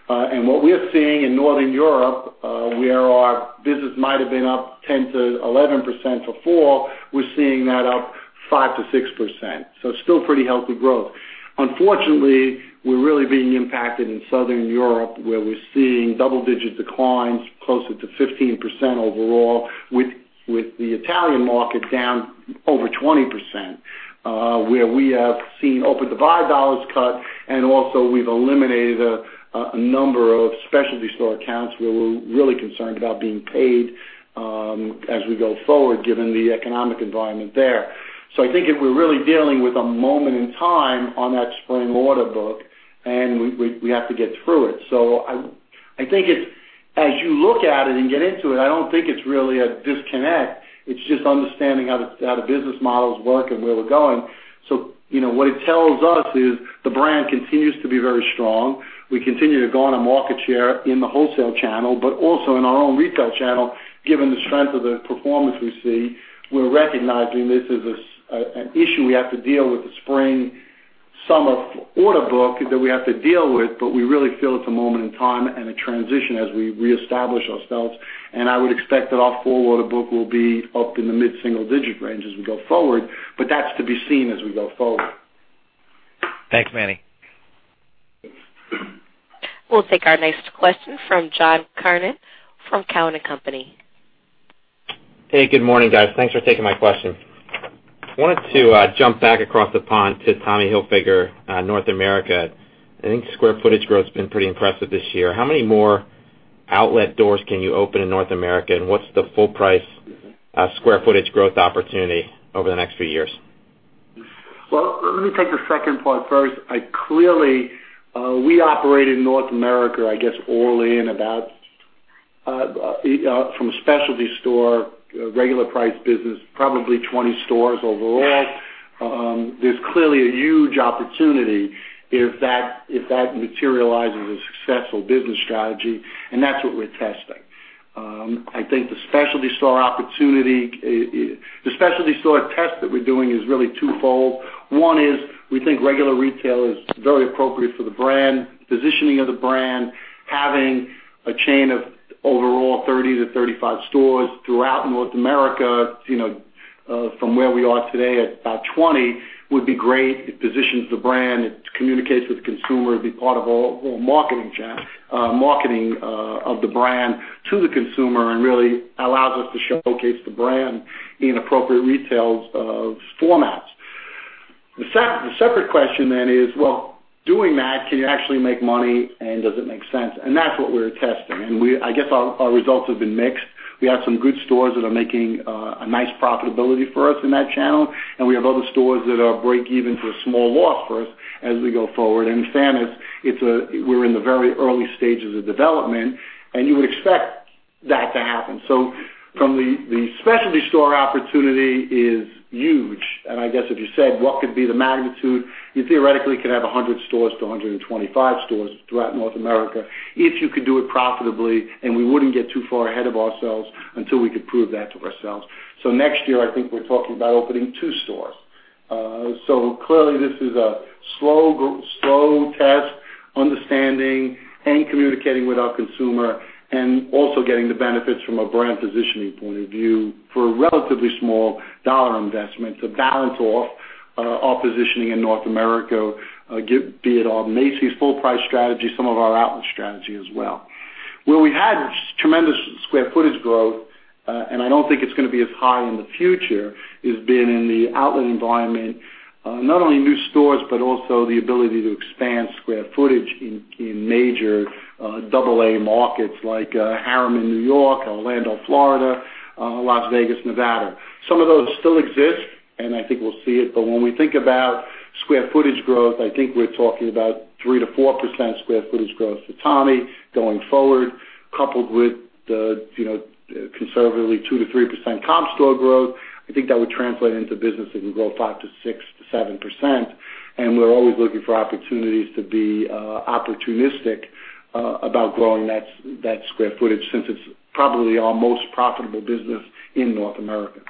What we're seeing in northern Europe, where our business might've been up 10%-11% for fall, we're seeing that up 5%-6%. Still pretty healthy growth. Unfortunately, we're really being impacted in southern Europe, where we're seeing double digit declines closer to 15% overall, with the Italian market down over 20%, where we have seen open to buy dollars cut, also we've eliminated a number of specialty store accounts where we're really concerned about being paid as we go forward, given the economic environment there. I think we're really dealing with a moment in time on that spring order book, and we have to get through it. I think as you look at it and get into it, I don't think it's really a disconnect. It's just understanding how the business models work and where we're going. What it tells us is the brand continues to be very strong. We continue to go on a market share in the wholesale channel, but also in our own retail channel, given the strength of the performance we see. We're recognizing this is an issue we have to deal with the spring, summer order book that we have to deal with, but we really feel it's a moment in time and a transition as we reestablish ourselves. I would expect that our fall order book will be up in the mid-single digit range as we go forward. That's to be seen as we go forward. Thanks, Manny. We'll take our next question from John Kernan from Cowen and Company. Hey, good morning, guys. Thanks for taking my question. Wanted to jump back across the pond to Tommy Hilfiger, North America. I think square footage growth's been pretty impressive this year. How many more outlet doors can you open in North America, and what's the full price square footage growth opportunity over the next few years? Let me take the second part first. Clearly, we operate in North America, I guess all in about, from a specialty store, regular price business, probably 20 stores overall. There's clearly a huge opportunity if that materializes a successful business strategy, and that's what we're testing. I think the specialty store test that we're doing is really twofold. One is we think regular retail is very appropriate for the positioning of the brand. Having a chain of overall 30 to 35 stores throughout North America, from where we are today at about 20, would be great. It positions the brand, it communicates with the consumer to be part of our whole marketing of the brand to the consumer, really allows us to showcase the brand in appropriate retail formats. The separate question is, well, doing that, can you actually make money, and does it make sense? That's what we're testing. I guess our results have been mixed. We have some good stores that are making a nice profitability for us in that channel, and we have other stores that are break even to a small loss for us as we go forward. Understand we're in the very early stages of development, and you would expect that to happen. From the specialty store opportunity is huge, and I guess if you said what could be the magnitude, you theoretically could have 100 stores to 125 stores throughout North America if you could do it profitably. We wouldn't get too far ahead of ourselves until we could prove that to ourselves. Next year, I think we're talking about opening two stores. Clearly this is a slow test, understanding and communicating with our consumer and also getting the benefits from a brand positioning point of view for a relatively small dollar investment to balance off our positioning in North America, be it our Macy's full price strategy, some of our outlet strategy as well. Where we had tremendous square footage growth, and I don't think it's going to be as high in the future, has been in the outlet environment. Not only new stores, but also the ability to expand square footage in major double-A markets like Harlem in New York, Orlando, Florida, Las Vegas, Nevada. Some of those still exist, and I think we'll see it, but when we think about square footage growth, I think we're talking about 3%-4% square footage growth for Tommy going forward. Coupled with the conservatively 2%-3% comp store growth, I think that would translate into business that can grow 5%-7%, and we're always looking for opportunities to be opportunistic about growing that square footage, since it's probably our most profitable business in North America.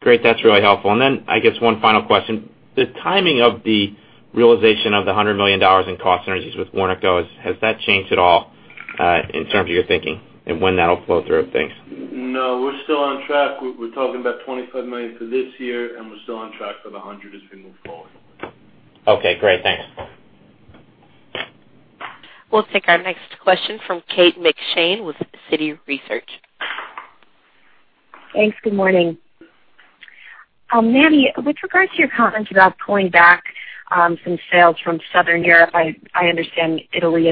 Great. That's really helpful. I guess one final question. The timing of the realization of the $100 million in cost synergies with Warnaco, has that changed at all in terms of your thinking and when that'll flow through? Thanks. We're still on track. We're talking about $25 million for this year, and we're still on track for the $100 as we move forward. Okay, great. Thanks. We'll take our next question from Kate McShane with Citi Research. Thanks. Good morning. Manny, with regards to your comments about pulling back some sales from Southern Europe, I understand Italy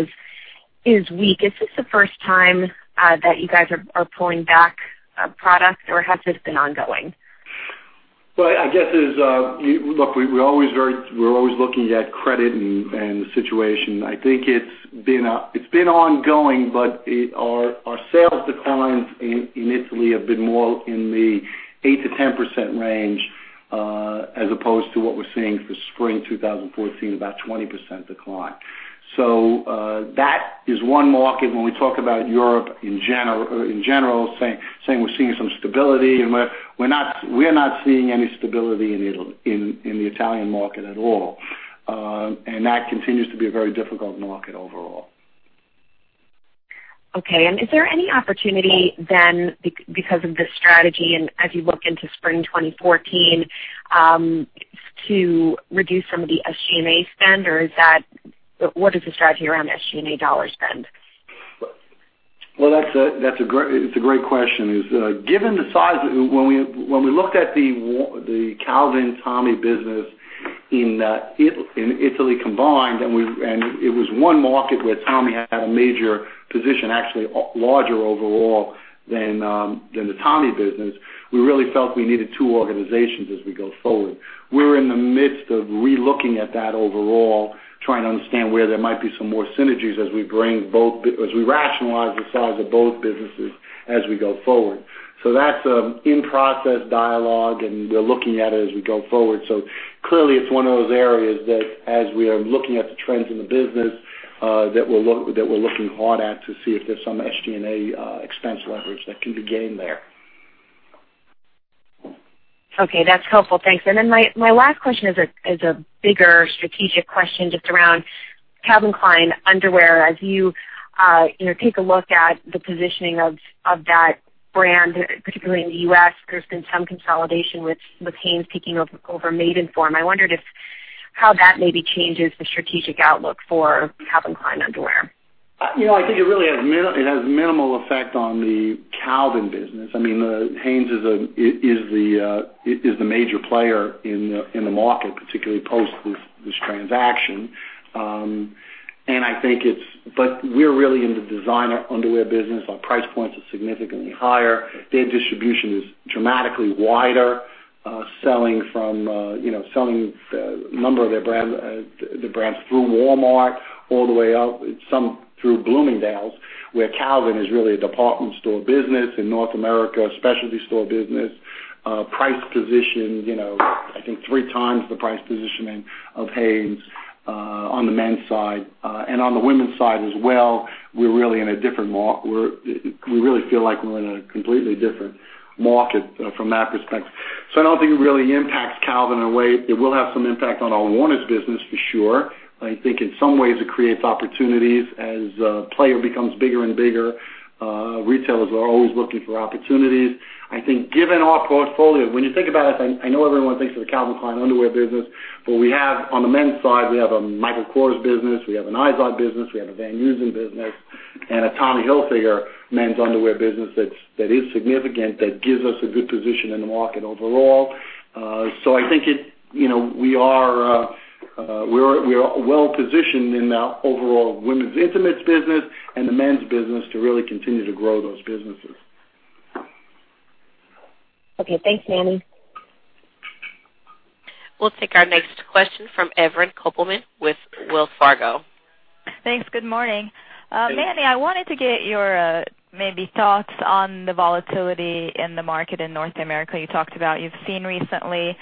is weak. Is this the first time that you guys are pulling back a product, or has this been ongoing? Look, we're always looking at credit and the situation. I think it's been ongoing, but our sales declines in Italy have been more in the 8%-10% range, as opposed to what we're seeing for spring 2014, about 20% decline. That is one market when we talk about Europe in general, saying we're seeing some stability, we're not seeing any stability in the Italian market at all. That continues to be a very difficult market overall. Okay. Is there any opportunity because of this strategy and as you look into spring 2014, to reduce some of the SG&A spend? What is the strategy around the SG&A dollar spend? Well, that's a great question. When we looked at the Calvin Tommy business in Italy combined, it was one market where Tommy had a major position, actually larger overall than the Tommy business. We really felt we needed two organizations as we go forward. We're in the midst of re-looking at that overall, trying to understand where there might be some more synergies as we rationalize the size of both businesses as we go forward. That's an in-process dialogue, and we're looking at it as we go forward. Clearly, it's one of those areas that as we are looking at the trends in the business, that we're looking hard at to see if there's some SG&A expense leverage that can be gained there. Okay, that's helpful. Thanks. My last question is a bigger strategic question just around Calvin Klein underwear. As you take a look at the positioning of that brand, particularly in the U.S., there's been some consolidation with HanesBrands taking over Maidenform. I wondered how that maybe changes the strategic outlook for Calvin Klein underwear. I think it really has minimal effect on the Calvin business. HanesBrands is the major player in the market, particularly post this transaction. We're really in the designer underwear business. Our price points are significantly higher. Their distribution is dramatically wider. Selling a number of their brands through Walmart all the way up some through Bloomingdale's, where Calvin is really a department store business in North America, a specialty store business. Price position, I think three times the price positioning of HanesBrands on the men's side. On the women's side as well, we really feel like we're in a completely different market from that perspective. I don't think it really impacts Calvin in a way. It will have some impact on our Warner's business for sure. I think in some ways, it creates opportunities as a player becomes bigger and bigger. Retailers are always looking for opportunities. I think given our portfolio, when you think about it, I know everyone thinks of the Calvin Klein underwear business, but on the men's side, we have a Michael Kors business, we have an Izod business, we have a Van Heusen business, and a Tommy Hilfiger men's underwear business that is significant, that gives us a good position in the market overall. I think we are well positioned in the overall women's intimates business and the men's business to really continue to grow those businesses. Okay. Thanks, Manny. We'll take our next question from Evercore with Wells Fargo. Thanks. Good morning. Manny, I wanted to get your maybe thoughts on the volatility in the market in North America. You talked about you've seen recently.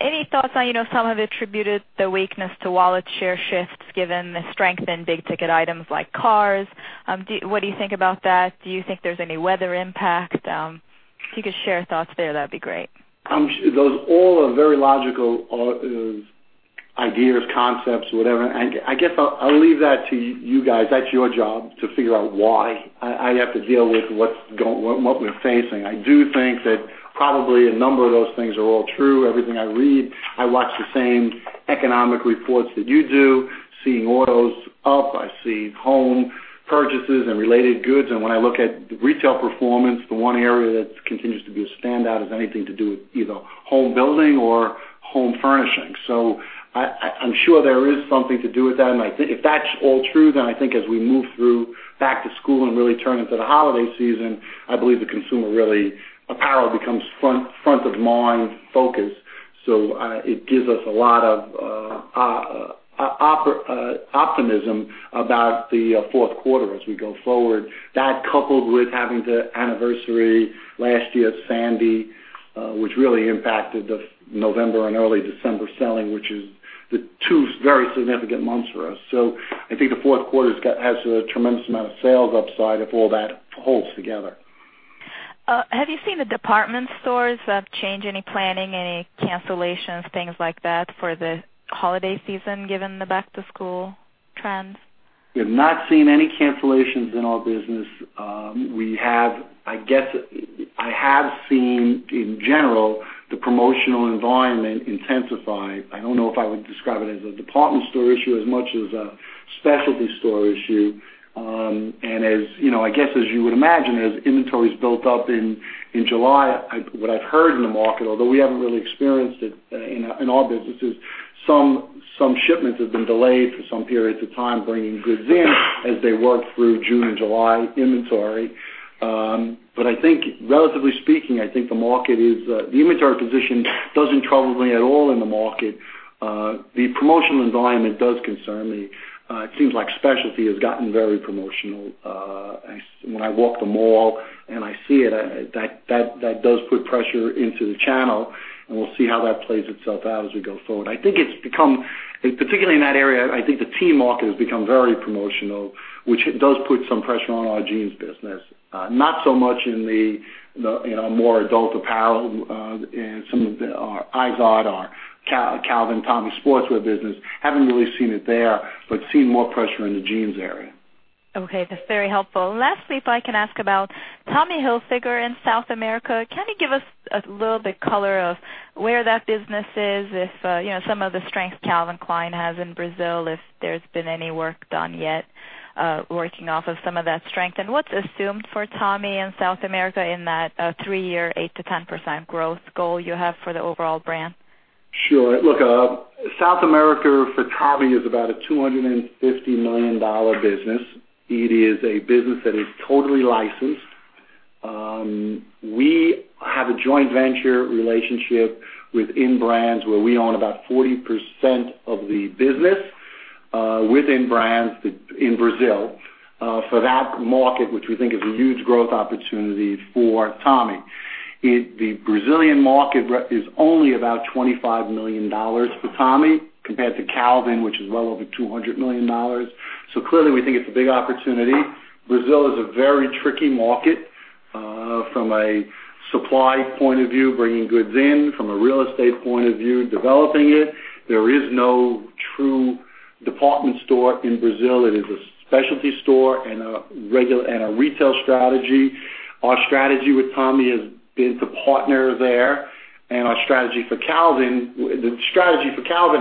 Any thoughts on some have attributed the weakness to wallet share shifts given the strength in big ticket items like cars. What do you think about that? Do you think there's any weather impact? If you could share thoughts there, that'd be great. Those all are very logical ideas, concepts, whatever. I guess I'll leave that to you guys. That's your job to figure out why. I have to deal with what we're facing. I do think that probably a number of those things are all true. Everything I read, I watch the same economic reports that you do, seeing autos up. I see home purchases and related goods. When I look at retail performance, the one area that continues to be a standout is anything to do with either home building or home furnishing. I'm sure there is something to do with that. If that's all true, then I think as we move through back to school and really turn into the holiday season, I believe the consumer really apparel becomes front of mind focus. It gives us a lot of optimism about the fourth quarter as we go forward. That coupled with having the anniversary last year, Sandy, which really impacted the November and early December selling, which is the two very significant months for us. I think the fourth quarter has a tremendous amount of sales upside if all that holds together. Have you seen the department stores change any planning, any cancellations, things like that for the holiday season, given the back-to-school trends? We have not seen any cancellations in our business. I have seen, in general, the promotional environment intensify. I don't know if I would describe it as a department store issue, as much as a specialty store issue. I guess, as you would imagine, as inventory's built up in July, what I've heard in the market, although we haven't really experienced it in our businesses, some shipments have been delayed for some periods of time, bringing goods in as they work through June and July inventory. I think, relatively speaking, the inventory position doesn't trouble me at all in the market. The promotional environment does concern me. It seems like specialty has gotten very promotional. When I walk the mall and I see it, that does put pressure into the channel, and we'll see how that plays itself out as we go forward. Particularly in that area, I think the teen market has become very promotional, which does put some pressure on our jeans business. Not so much in the more adult apparel. In some of our Izod, our Calvin, Tommy sportswear business. Haven't really seen it there, but seen more pressure in the jeans area. Okay. That's very helpful. Lastly, if I can ask about Tommy Hilfiger in South America. Can you give us a little bit color of where that business is, if some of the strength Calvin Klein has in Brazil, if there's been any work done yet, working off of some of that strength. What's assumed for Tommy in South America in that three-year, 8%-10% growth goal you have for the overall brand? Sure. Look, South America for Tommy is about a $250 million business. It is a business that is totally licensed. We have a joint venture relationship with InBrands, where we own about 40% of the business with InBrands in Brazil. For that market, which we think is a huge growth opportunity for Tommy. The Brazilian market is only about $25 million for Tommy compared to Calvin, which is well over $200 million. Clearly, we think it's a big opportunity. Brazil is a very tricky market. From a supply point of view, bringing goods in. From a real estate point of view, developing it. There is no true department store in Brazil. It is a specialty store and a retail strategy. Our strategy with Tommy has been to partner there. The strategy for Calvin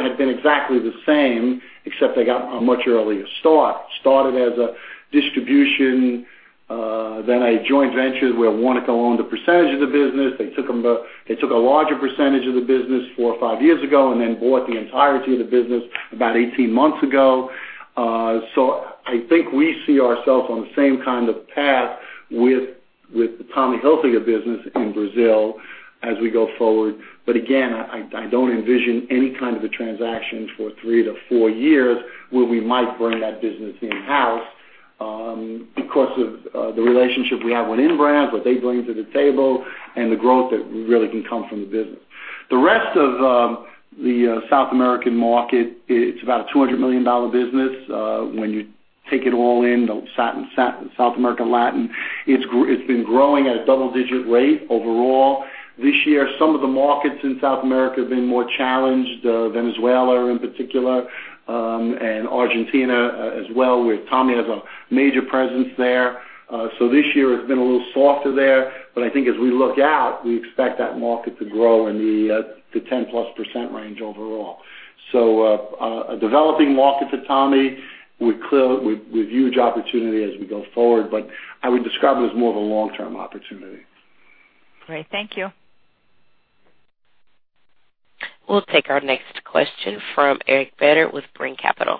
had been exactly the same, except they got a much earlier start. Started as a distribution, then a joint venture where Warnaco owned a percentage of the business. They took a larger percentage of the business four or five years ago, then bought the entirety of the business about 18 months ago. I think we see ourselves on the same kind of path with the Tommy Hilfiger business in Brazil as we go forward. Again, I don't envision any kind of a transaction for three to four years where we might bring that business in-house. Because of the relationship we have with InBrands, what they bring to the table, and the growth that really can come from the business. The rest of the South American market, it's about a $200 million business. When you take it all in, the South American, Latin, it's been growing at a double-digit rate overall. This year, some of the markets in South America have been more challenged. Venezuela in particular, and Argentina as well, where Tommy has a major presence there. This year it's been a little softer there. I think as we look out, we expect that market to grow in the 10-plus% range overall. A developing market to Tommy with huge opportunity as we go forward. I would describe it as more of a long-term opportunity. Great. Thank you. We'll take our next question from Eric Beder with Brean Capital.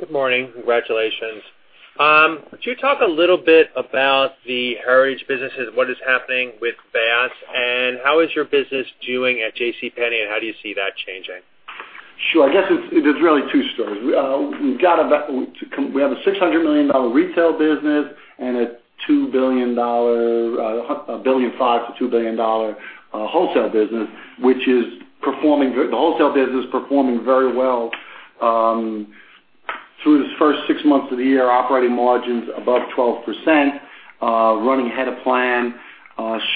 Good morning. Congratulations. Could you talk a little bit about the Heritage businesses? What is happening with Bass, and how is your business doing at JCPenney, and how do you see that changing? Sure. I guess there's really two stories. We have a $600 million retail business and a $1.5 billion-$2 billion wholesale business. The wholesale business is performing very well. Through the first six months of the year, operating margin's above 12%, running ahead of plan.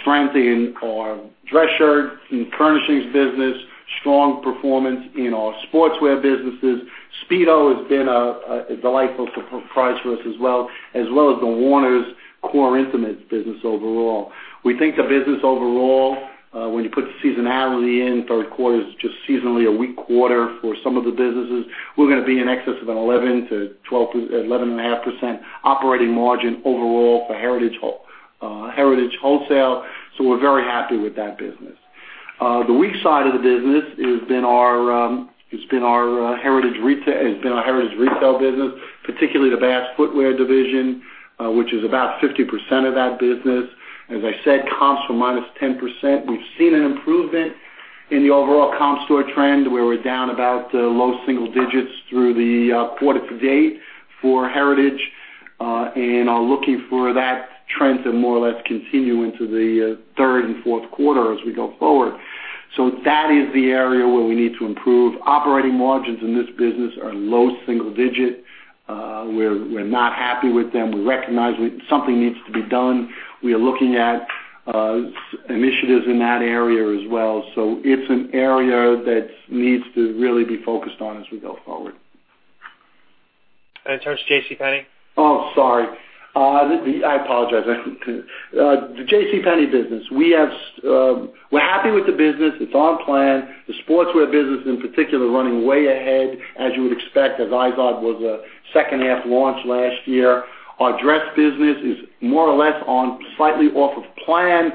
Strength in our dress shirts and furnishings business. Strong performance in our sportswear businesses. Speedo has been a delightful surprise for us as well. As well as the Warner's Core Intimates business overall. We think the business overall, when you put the seasonality in, third quarter is just seasonally a weak quarter for some of the businesses. We're going to be in excess of an 11.5% operating margin overall for Heritage wholesale. We're very happy with that business. The weak side of the business has been our Heritage retail business, particularly the Bass footwear division. Which is about 50% of that business. As I said, comps were minus 10%. We've seen an improvement in the overall comp store trend, where we're down about low single digits through the quarter to date for Heritage, and are looking for that trend to more or less continue into the third and fourth quarter as we go forward. That is the area where we need to improve. Operating margins in this business are low single digit. We're not happy with them. We recognize something needs to be done. We are looking at initiatives in that area as well. It's an area that needs to really be focused on as we go forward. In terms of J.C. Penney? Oh, sorry. I apologize. The J.C. Penney business. We're happy with the business. It's on plan. The sportswear business in particular, running way ahead as you would expect, as IZOD was a second half launch last year. Our dress business is more or less on slightly off of plan,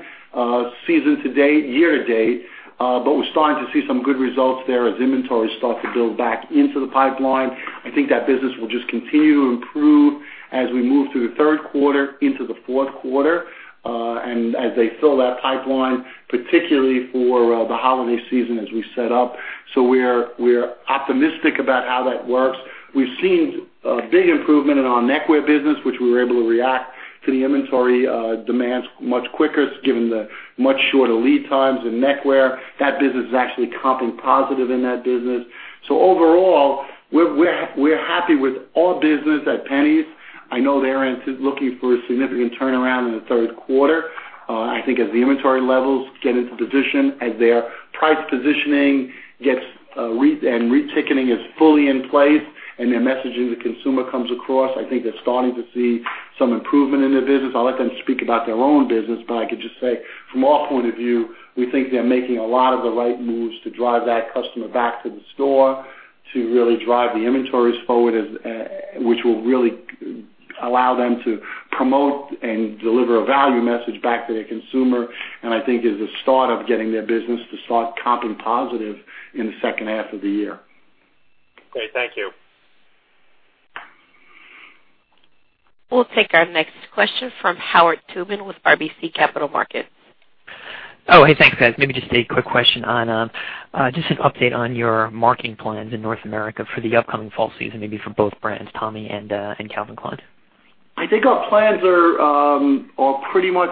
season to date, year to date. We're starting to see some good results there as inventory start to build back into the pipeline. I think that business will just continue to improve as we move through the third quarter into the fourth quarter. As they fill that pipeline, particularly for the holiday season as we set up. We're optimistic about how that works. We've seen a big improvement in our neckwear business, which we were able to react to the inventory demands much quicker, given the much shorter lead times in neckwear. That business is actually comping positive in that business. Overall, we're happy with all business at JCPenney. I know they're looking for a significant turnaround in the third quarter. I think as the inventory levels get into position, as their price positioning and reticketing is fully in place, and their messaging to consumer comes across, I think they're starting to see some improvement in their business. I'll let them speak about their own business, I can just say, from our point of view, we think they're making a lot of the right moves to drive that customer back to the store, to really drive the inventories forward, which will really allow them to promote and deliver a value message back to their consumer. I think is the start of getting their business to start comping positive in the second half of the year. Great. Thank you. We'll take our next question from Howard Tubin with RBC Capital Markets. Hey, thanks, guys. Maybe just a quick question, just an update on your marketing plans in North America for the upcoming fall season, maybe for both brands, Tommy and Calvin Klein. I think our plans are pretty much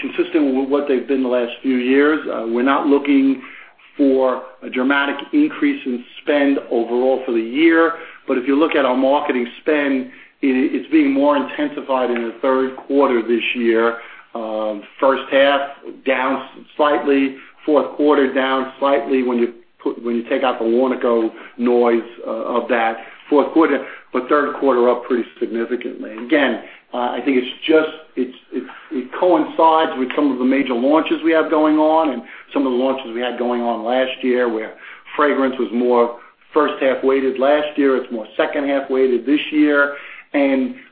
consistent with what they've been the last few years. We're not looking for a dramatic increase in spend overall for the year. If you look at our marketing spend, it's being more intensified in the third quarter this year. First half, down slightly. Fourth quarter, down slightly. When you take out the Warnaco noise of that fourth quarter, but third quarter up pretty significantly. Again, I think it coincides with some of the major launches we have going on and some of the launches we had going on last year, where fragrance was more first half weighted last year, it's more second half weighted this year.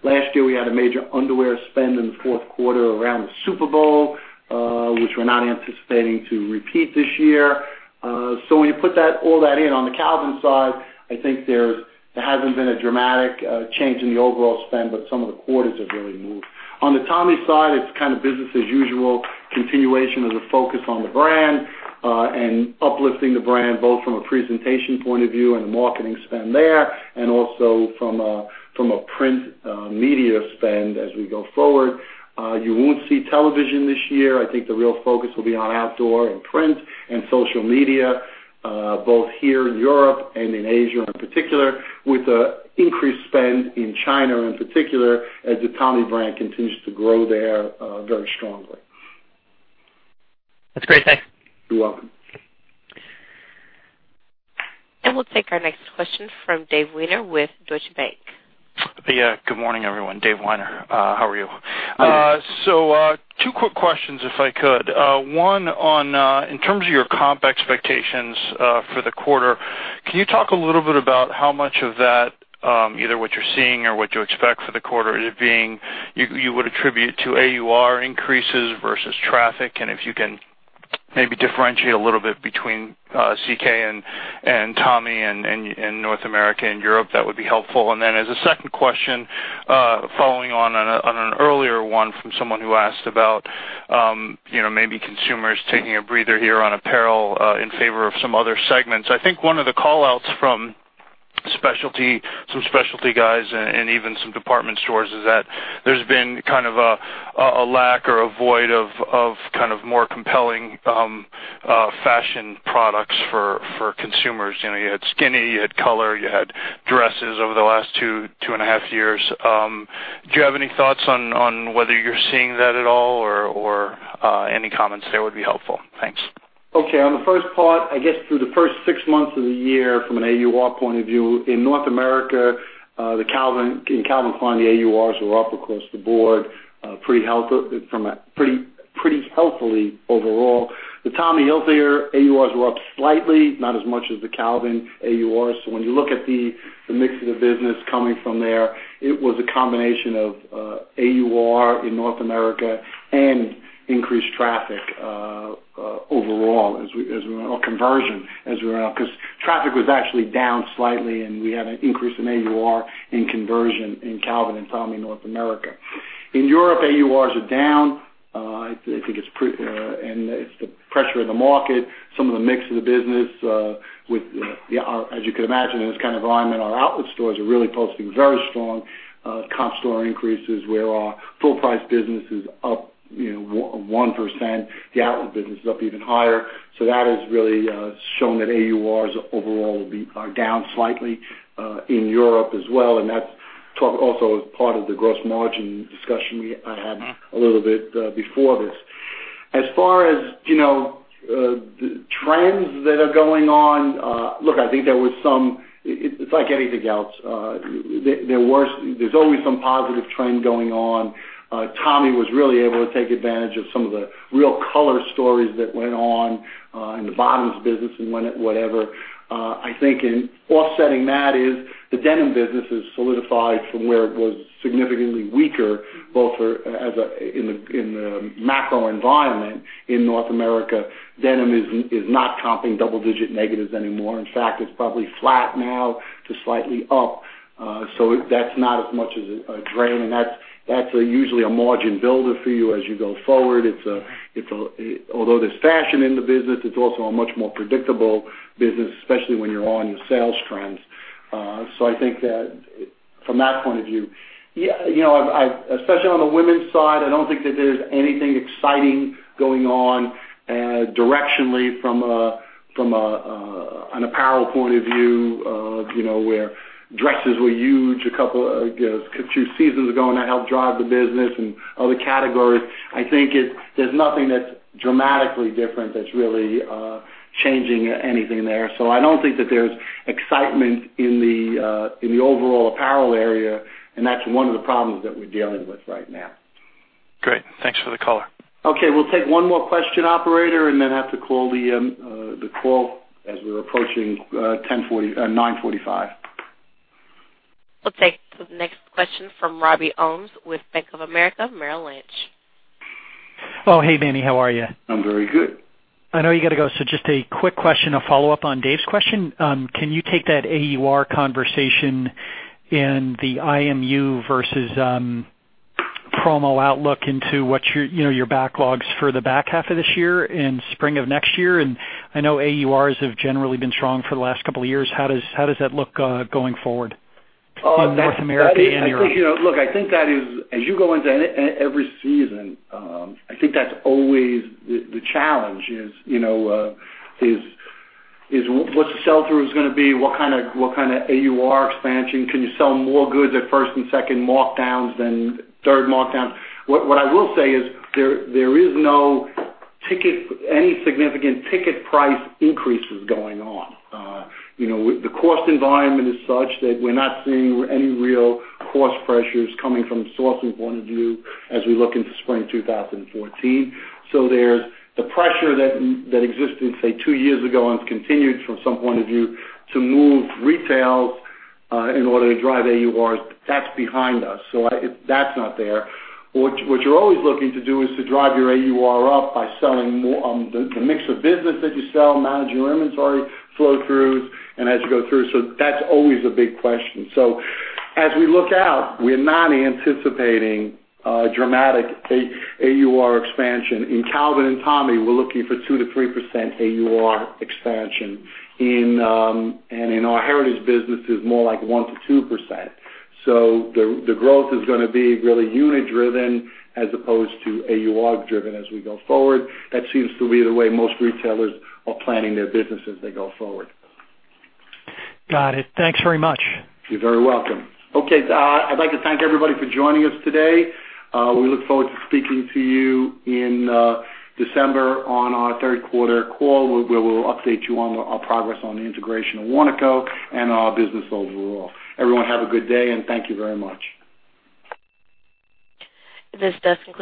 Last year, we had a major underwear spend in the fourth quarter around the Super Bowl, which we're not anticipating to repeat this year. When you put all that in on the Calvin side, I think there hasn't been a dramatic change in the overall spend, but some of the quarters have really moved. On the Tommy side, it's kind of business as usual, continuation of the focus on the brand, and uplifting the brand, both from a presentation point of view and a marketing spend there, and also from a print media spend as we go forward. You won't see television this year. I think the real focus will be on outdoor, and print, and social media, both here in Europe and in Asia in particular, with an increased spend in China in particular, as the Tommy brand continues to grow there very strongly. That's great. Thanks. You're welcome. We'll take our next question from Dave Weiner with Deutsche Bank. Yeah. Good morning, everyone. Dave Weiner. How are you? Good. Two quick questions, if I could. One, in terms of your comp expectations for the quarter, can you talk a little bit about how much of that, either what you're seeing or what you expect for the quarter, you would attribute to AUR increases versus traffic? If you can maybe differentiate a little bit between CK, and Tommy, and North America and Europe, that would be helpful. As a second question, following on an earlier one from someone who asked about maybe consumers taking a breather here on apparel, in favor of some other segments. I think one of the call-outs from some specialty guys and even some department stores is that there's been kind of a lack or a void of kind of more compelling fashion products for consumers. You had skinny, you had color, you had dresses over the last two and a half years. Do you have any thoughts on whether you're seeing that at all or any comments there would be helpful? Thanks. Okay. On the first part, I guess through the first six months of the year, from an AUR point of view, in North America, in Calvin Klein, the AURs were up across the board pretty healthily overall. The Tommy Hilfiger AURs were up slightly, not as much as the Calvin AUR. When you look at the mix of the business coming from there, it was a combination of AUR in North America and increased traffic overall, or conversion as we went up, because traffic was actually down slightly, and we had an increase in AUR in conversion in Calvin and Tommy North America. In Europe, AURs are down. I think it's the pressure in the market, some of the mix of the business. As you can imagine, in this kind of environment, our outlet stores are really posting very strong comp store increases where our full-price business is up 1%. The outlet business is up even higher. That has really shown that AURs overall are down slightly, in Europe as well. That's also part of the gross margin discussion we had a little bit before this. As far as trends that are going on, look, I think it's like anything else. There's always some positive trend going on. Tommy was really able to take advantage of some of the real color stories that went on, in the bottoms business and whatever. I think in offsetting that is the denim business has solidified from where it was significantly weaker, both in the macro environment in North America. Denim is not comping double-digit negatives anymore. In fact, it's probably flat now to slightly up. That's not as much of a drain. That's usually a margin builder for you as you go forward. Although there's fashion in the business, it's also a much more predictable business, especially when you're on your sales trends. I think that from that point of view. Especially on the women's side, I don't think that there's anything exciting going on directionally from an apparel point of view, where dresses were huge a couple two seasons ago, and that helped drive the business and other categories. I think there's nothing that's dramatically different that's really changing anything there. I don't think that there's excitement in the overall apparel area, and that's one of the problems that we're dealing with right now. Great. Thanks for the call. Okay. We'll take one more question, operator, and then have to call the call as we're approaching 9:45. We'll take the next question from Robert Ohmes with Bank of America, Merrill Lynch. Hey, Manny. How are you? I'm very good. I know you gotta go, so just a quick question to follow up on Dave's question. Can you take that AUR conversation and the IMU versus promo outlook into what your backlogs for the back half of this year and spring of next year? I know AURs have generally been strong for the last couple of years. How does that look going forward in North America and Europe? Look, I think that is, as you go into every season, I think that's always the challenge is, what's the sell-through is gonna be? What kind of AUR expansion? Can you sell more goods at first and second markdowns than third markdown? What I will say is there is no significant ticket price increases going on. The cost environment is such that we're not seeing any real cost pressures coming from a sourcing point of view as we look into spring 2014. There's the pressure that existed, say, two years ago, and it's continued from some point of view to move retails, in order to drive AURs. That's behind us. That's not there. What you're always looking to do is to drive your AUR up by selling more on the mix of business that you sell, manage your inventory flow throughs and as you go through. That's always a big question. As we look out, we're not anticipating a dramatic AUR expansion. In Calvin and Tommy, we're looking for 2%-3% AUR expansion. In our Heritage businesses, more like 1%-2%. The growth is gonna be really unit driven as opposed to AUR driven as we go forward. That seems to be the way most retailers are planning their business as they go forward. Got it. Thanks very much. You're very welcome. Okay. I'd like to thank everybody for joining us today. We look forward to speaking to you in December on our third quarter call, where we will update you on our progress on the integration of Warnaco and our business overall. Everyone have a good day, and thank you very much. This does conclude